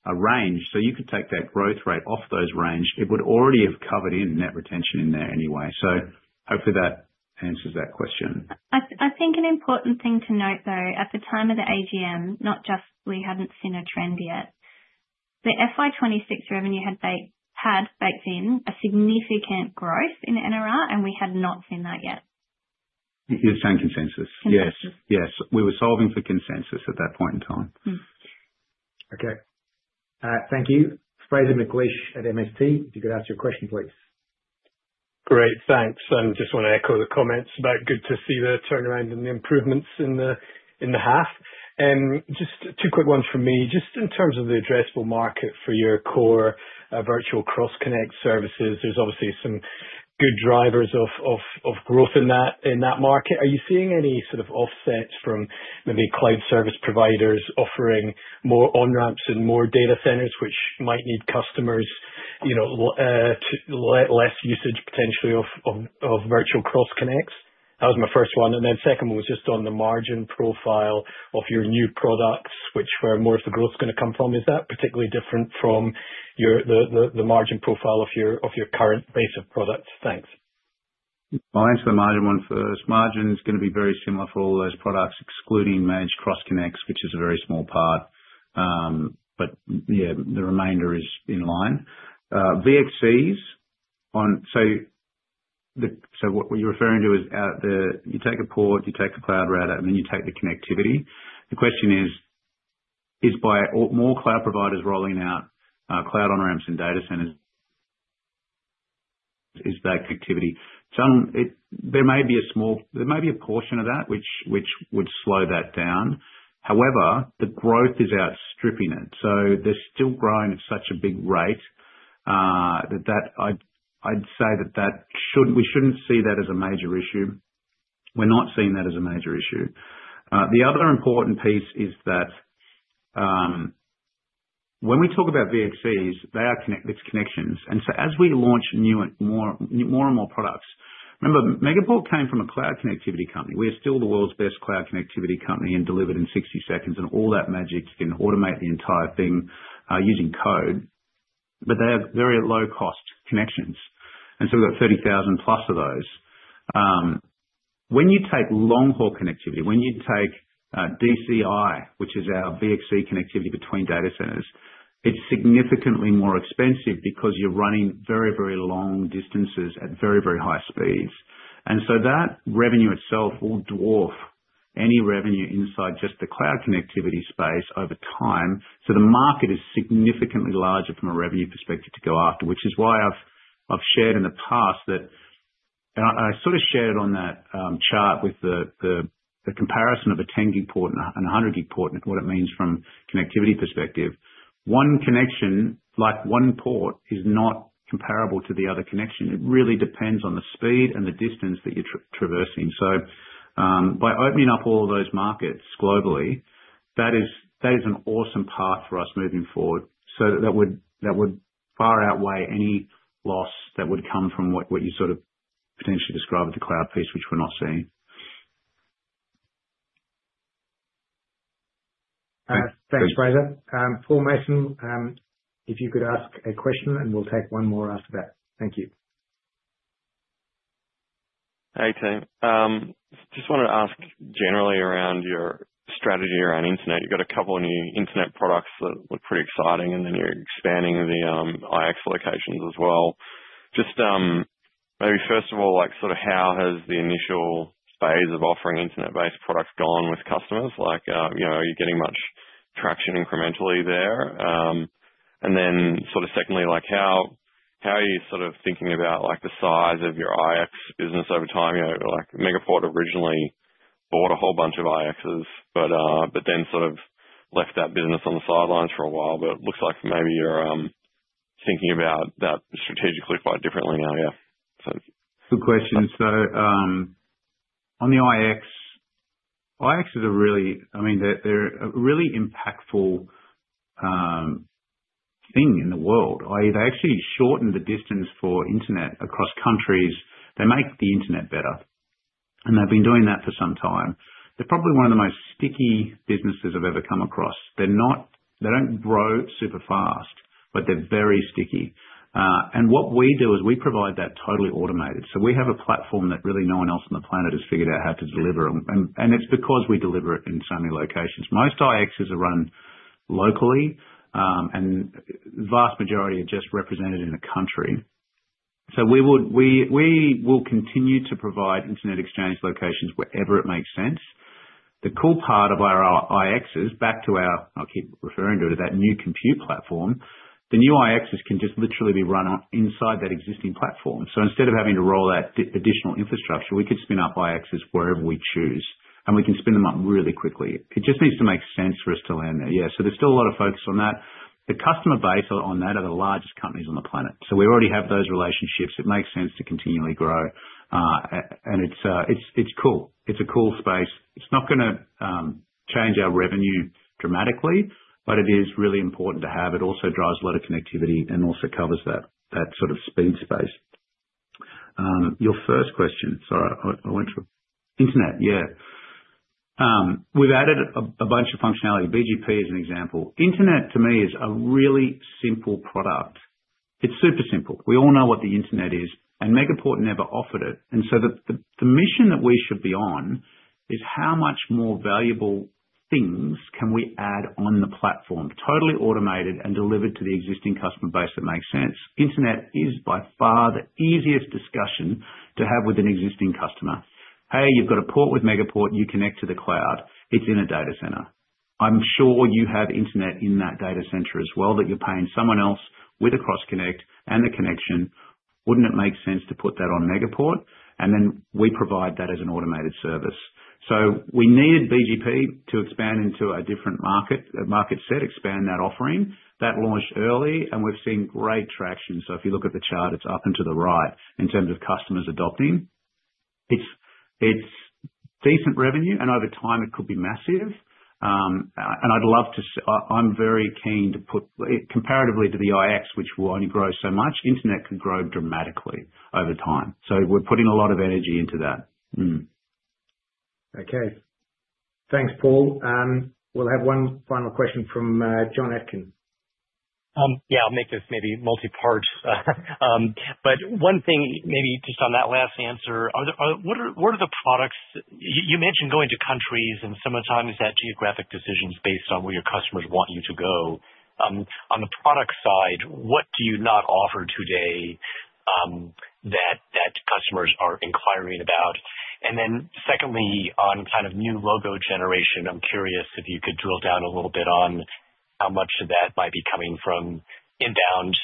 a range. So you could take that growth rate off those range. It would already have covered in net retention in there anyway. So hopefully, that answers that question. I think an important thing to note, though, at the time of the AGM, not just we hadn't seen a trend yet. The FY26 revenue had baked in a significant growth in NRR, and we had not seen that yet. It's shown consensus. Yes. Yes. We were solving for consensus at that point in time. Okay. Thank you. Fraser McLeish at MST, if you could ask your question, please. Great. Thanks. I just want to echo the comments about good to see the turnaround and the improvements in the half. Just 2 quick ones from me. Just in terms of the addressable market for your core virtual cross-connect services, there's obviously some good drivers of growth in that market. Are you seeing any sort of offsets from maybe cloud service providers offering more on-ramps and more data centers, which might lead to less usage potentially of virtual cross-connects? That was my first one. And then second one was just on the margin profile of your new products, which is where more of the growth is going to come from. Is that particularly different from the margin profile of your current base of products? Thanks. I'll answer the margin one first. Margin is going to be very similar for all those products, excluding managed cross-connects, which is a very small part. But yeah, the remainder is in line. VXCs, so what you're referring to is you take a port, you take a cloud router, and then you take the connectivity. The question is, is by more cloud providers rolling out cloud on-ramps and data centers, is that activity. There may be a small portion of that which would slow that down. However, the growth is outstripping it. So they're still growing at such a big rate that I'd say that we shouldn't see that as a major issue. We're not seeing that as a major issue. The other important piece is that when we talk about VXCs, it's connections. And so as we launch more and more products, remember, Megaport came from a cloud connectivity company. We are still the world's best cloud connectivity company and delivered in 60 seconds and all that magic and automate the entire thing using code. But they have very low-cost connections. And so we've got 30,000 plus of those. When you take long-haul connectivity, when you take DCI, which is our VXC connectivity between data centers, it's significantly more expensive because you're running very, very long distances at very, very high speeds. And so that revenue itself will dwarf any revenue inside just the cloud connectivity space over time. So the market is significantly larger from a revenue perspective to go after, which is why I've shared in the past that, and I sort of shared it on that chart with the comparison of a 10 Gb port and a 100 Gb port and what it means from a connectivity perspective. One connection, like one port, is not comparable to the other connection. It really depends on the speed and the distance that you're traversing. So by opening up all of those markets globally, that is an awesome path for us moving forward. So that would far outweigh any loss that would come from what you sort of potentially describe as the cloud piece, which we're not seeing. Thanks, Fraser. Paul Mason, if you could ask a question, and we'll take one more after that. Thank you. Hey, team. Just wanted to ask generally around your strategy around internet. You've got a couple of new internet products that look pretty exciting, and then you're expanding the IX locations as well. Just maybe first of all, sort of how has the initial phase of offering internet-based products gone with customers? Are you getting much traction incrementally there? And then sort of secondly, how are you sort of thinking about the size of your IX business over time? Megaport originally bought a whole bunch of IXs, but then sort of left that business on the sidelines for a while. But it looks like maybe you're thinking about that strategically quite differently now. Yeah. Good question. So on the IX, IX is a really, I mean, they're a really impactful thing in the world. They actually shorten the distance for internet across countries. They make the internet better. And they've been doing that for some time. They're probably one of the most sticky businesses I've ever come across. They don't grow super fast, but they're very sticky. And what we do is we provide that totally automated. So we have a platform that really no one else on the planet has figured out how to deliver. And it's because we deliver it in so many locations. Most IXs are run locally, and the vast majority are just represented in a country. So we will continue to provide internet exchange locations wherever it makes sense. The cool part of our IXs, back to our, I'll keep referring to it as that new compute platform, the new IXs can just literally be run inside that existing platform. So instead of having to roll out additional infrastructure, we could spin up IXs wherever we choose, and we can spin them up really quickly. It just needs to make sense for us to land there. Yeah. So there's still a lot of focus on that. The customer base on that are the largest companies on the planet. So we already have those relationships. It makes sense to continually grow. And it's cool. It's a cool space. It's not going to change our revenue dramatically, but it is really important to have. It also drives a lot of connectivity and also covers that sort of speed space. Your first question. Sorry, I went through it. Internet, yeah. We've added a bunch of functionality. BGP is an example. Internet, to me, is a really simple product. It's super simple. We all know what the internet is. And Megaport never offered it. And so the mission that we should be on is how much more valuable things can we add on the platform, totally automated and delivered to the existing customer base that makes sense. Internet is by far the easiest discussion to have with an existing customer. Hey, you've got a port with Megaport. You connect to the cloud. It's in a data center. I'm sure you have internet in that data center as well that you're paying someone else with a cross-connect and the connection. Wouldn't it make sense to put that on Megaport? And then we provide that as an automated service. So we needed BGP to expand into a different market set, expand that offering. That launched early, and we've seen great traction. So if you look at the chart, it's up and to the right in terms of customers adopting. It's decent revenue, and over time, it could be massive. And I'd love to. I'm very keen to put comparatively to the IX, which will only grow so much, internet could grow dramatically over time. So we're putting a lot of energy into that. Okay, thanks, Paul. We'll have one final question from John Atkin. Yeah, I'll make this maybe multi-part. But one thing, maybe just on that last answer, what are the products you mentioned going to countries, and sometimes that geographic decision is based on where your customers want you to go. On the product side, what do you not offer today that customers are inquiring about? And then secondly, on kind of new logo generation, I'm curious if you could drill down a little bit on how much of that might be coming from inbound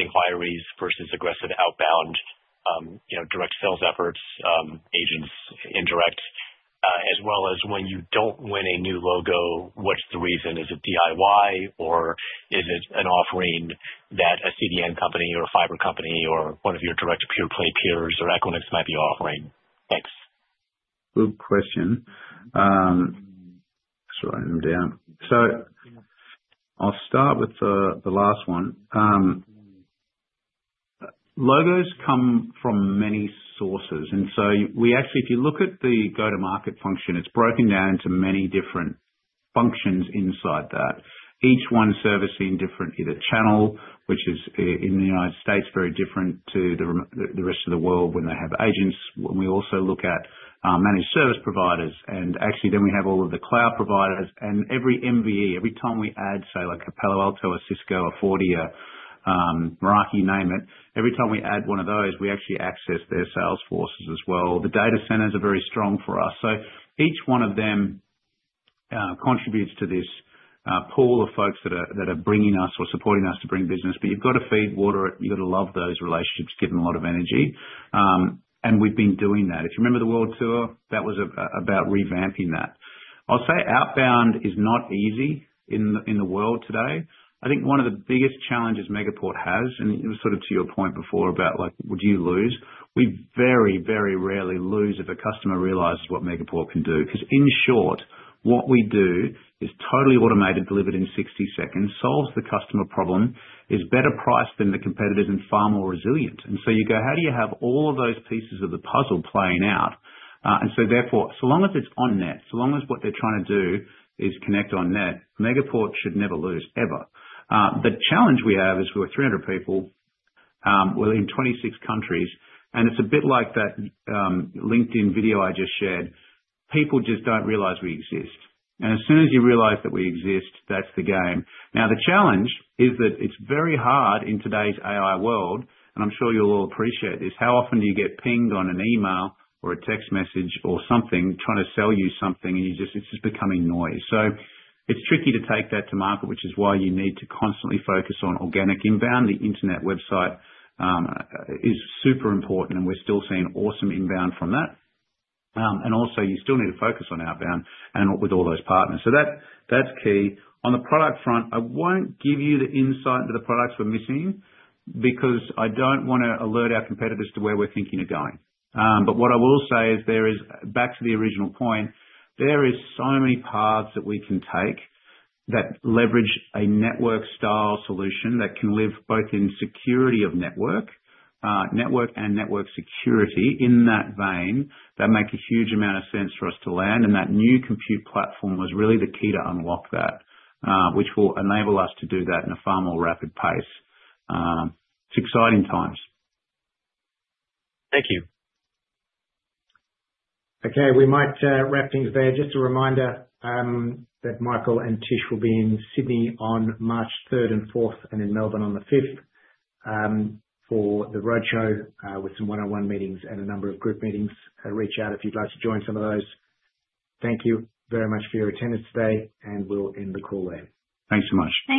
inquiries versus aggressive outbound direct sales efforts, agents, indirect, as well as when you don't win a new logo, what's the reason? Is it DIY, or is it an offering that a CDN company or a fiber company or one of your direct pure-play peers or Equinix might be offering? Thanks. Good question. Sorry, I'm down. So I'll start with the last one. Logos come from many sources. And so we actually, if you look at the go-to-market function, it's broken down into many different functions inside that, each one servicing different either channel, which is in the United States very different to the rest of the world when they have agents. And we also look at managed service providers. And actually, then we have all of the cloud providers. And every MVE, every time we add, say, like a Palo Alto or Cisco or Fortinet, Meraki, name it, every time we add one of those, we actually access their sales forces as well. The data centers are very strong for us. So each one of them contributes to this pool of folks that are bringing us or supporting us to bring business. But you've got to feed and water. You've got to love those relationships, give them a lot of energy. And we've been doing that. If you remember the world tour, that was about revamping that. I'll say outbound is not easy in the world today. I think one of the biggest challenges Megaport has, and it was sort of to your point before about, like, would you lose? We very, very rarely lose if a customer realizes what Megaport can do. Because in short, what we do is totally automated, delivered in 60 seconds, solves the customer problem, is better priced than the competitors, and far more resilient. And so you go, how do you have all of those pieces of the puzzle playing out? And so therefore, so long as it's on net, so long as what they're trying to do is connect on net, Megaport should never lose, ever. The challenge we have is we're 300 people. We're in 26 countries, and it's a bit like that LinkedIn video I just shared. People just don't realize we exist, and as soon as you realize that we exist, that's the game. Now, the challenge is that it's very hard in today's AI world, and I'm sure you'll all appreciate this, how often do you get pinged on an email or a text message or something trying to sell you something, and it's just becoming noise, so it's tricky to take that to market, which is why you need to constantly focus on organic inbound. The internet website is super important, and we're still seeing awesome inbound from that, and also, you still need to focus on outbound and with all those partners, so that's key. On the product front, I won't give you the insight into the products we're missing because I don't want to alert our competitors to where we're thinking of going. But what I will say is, back to the original point, there are so many paths that we can take that leverage a network-style solution that can live both in security of network and network security in that vein. That makes a huge amount of sense for us to land. And that new compute platform was really the key to unlock that, which will enable us to do that in a far more rapid pace. It's exciting times. Thank you. Okay. We might wrap things there. Just a reminder that Michael and Tish will be in Sydney on March 3rd and 4th and in Melbourne on the 5th for the roadshow with some one-on-one meetings and a number of group meetings. Reach out if you'd like to join some of those. Thank you very much for your attendance today, and we'll end the Call there. Thanks so much.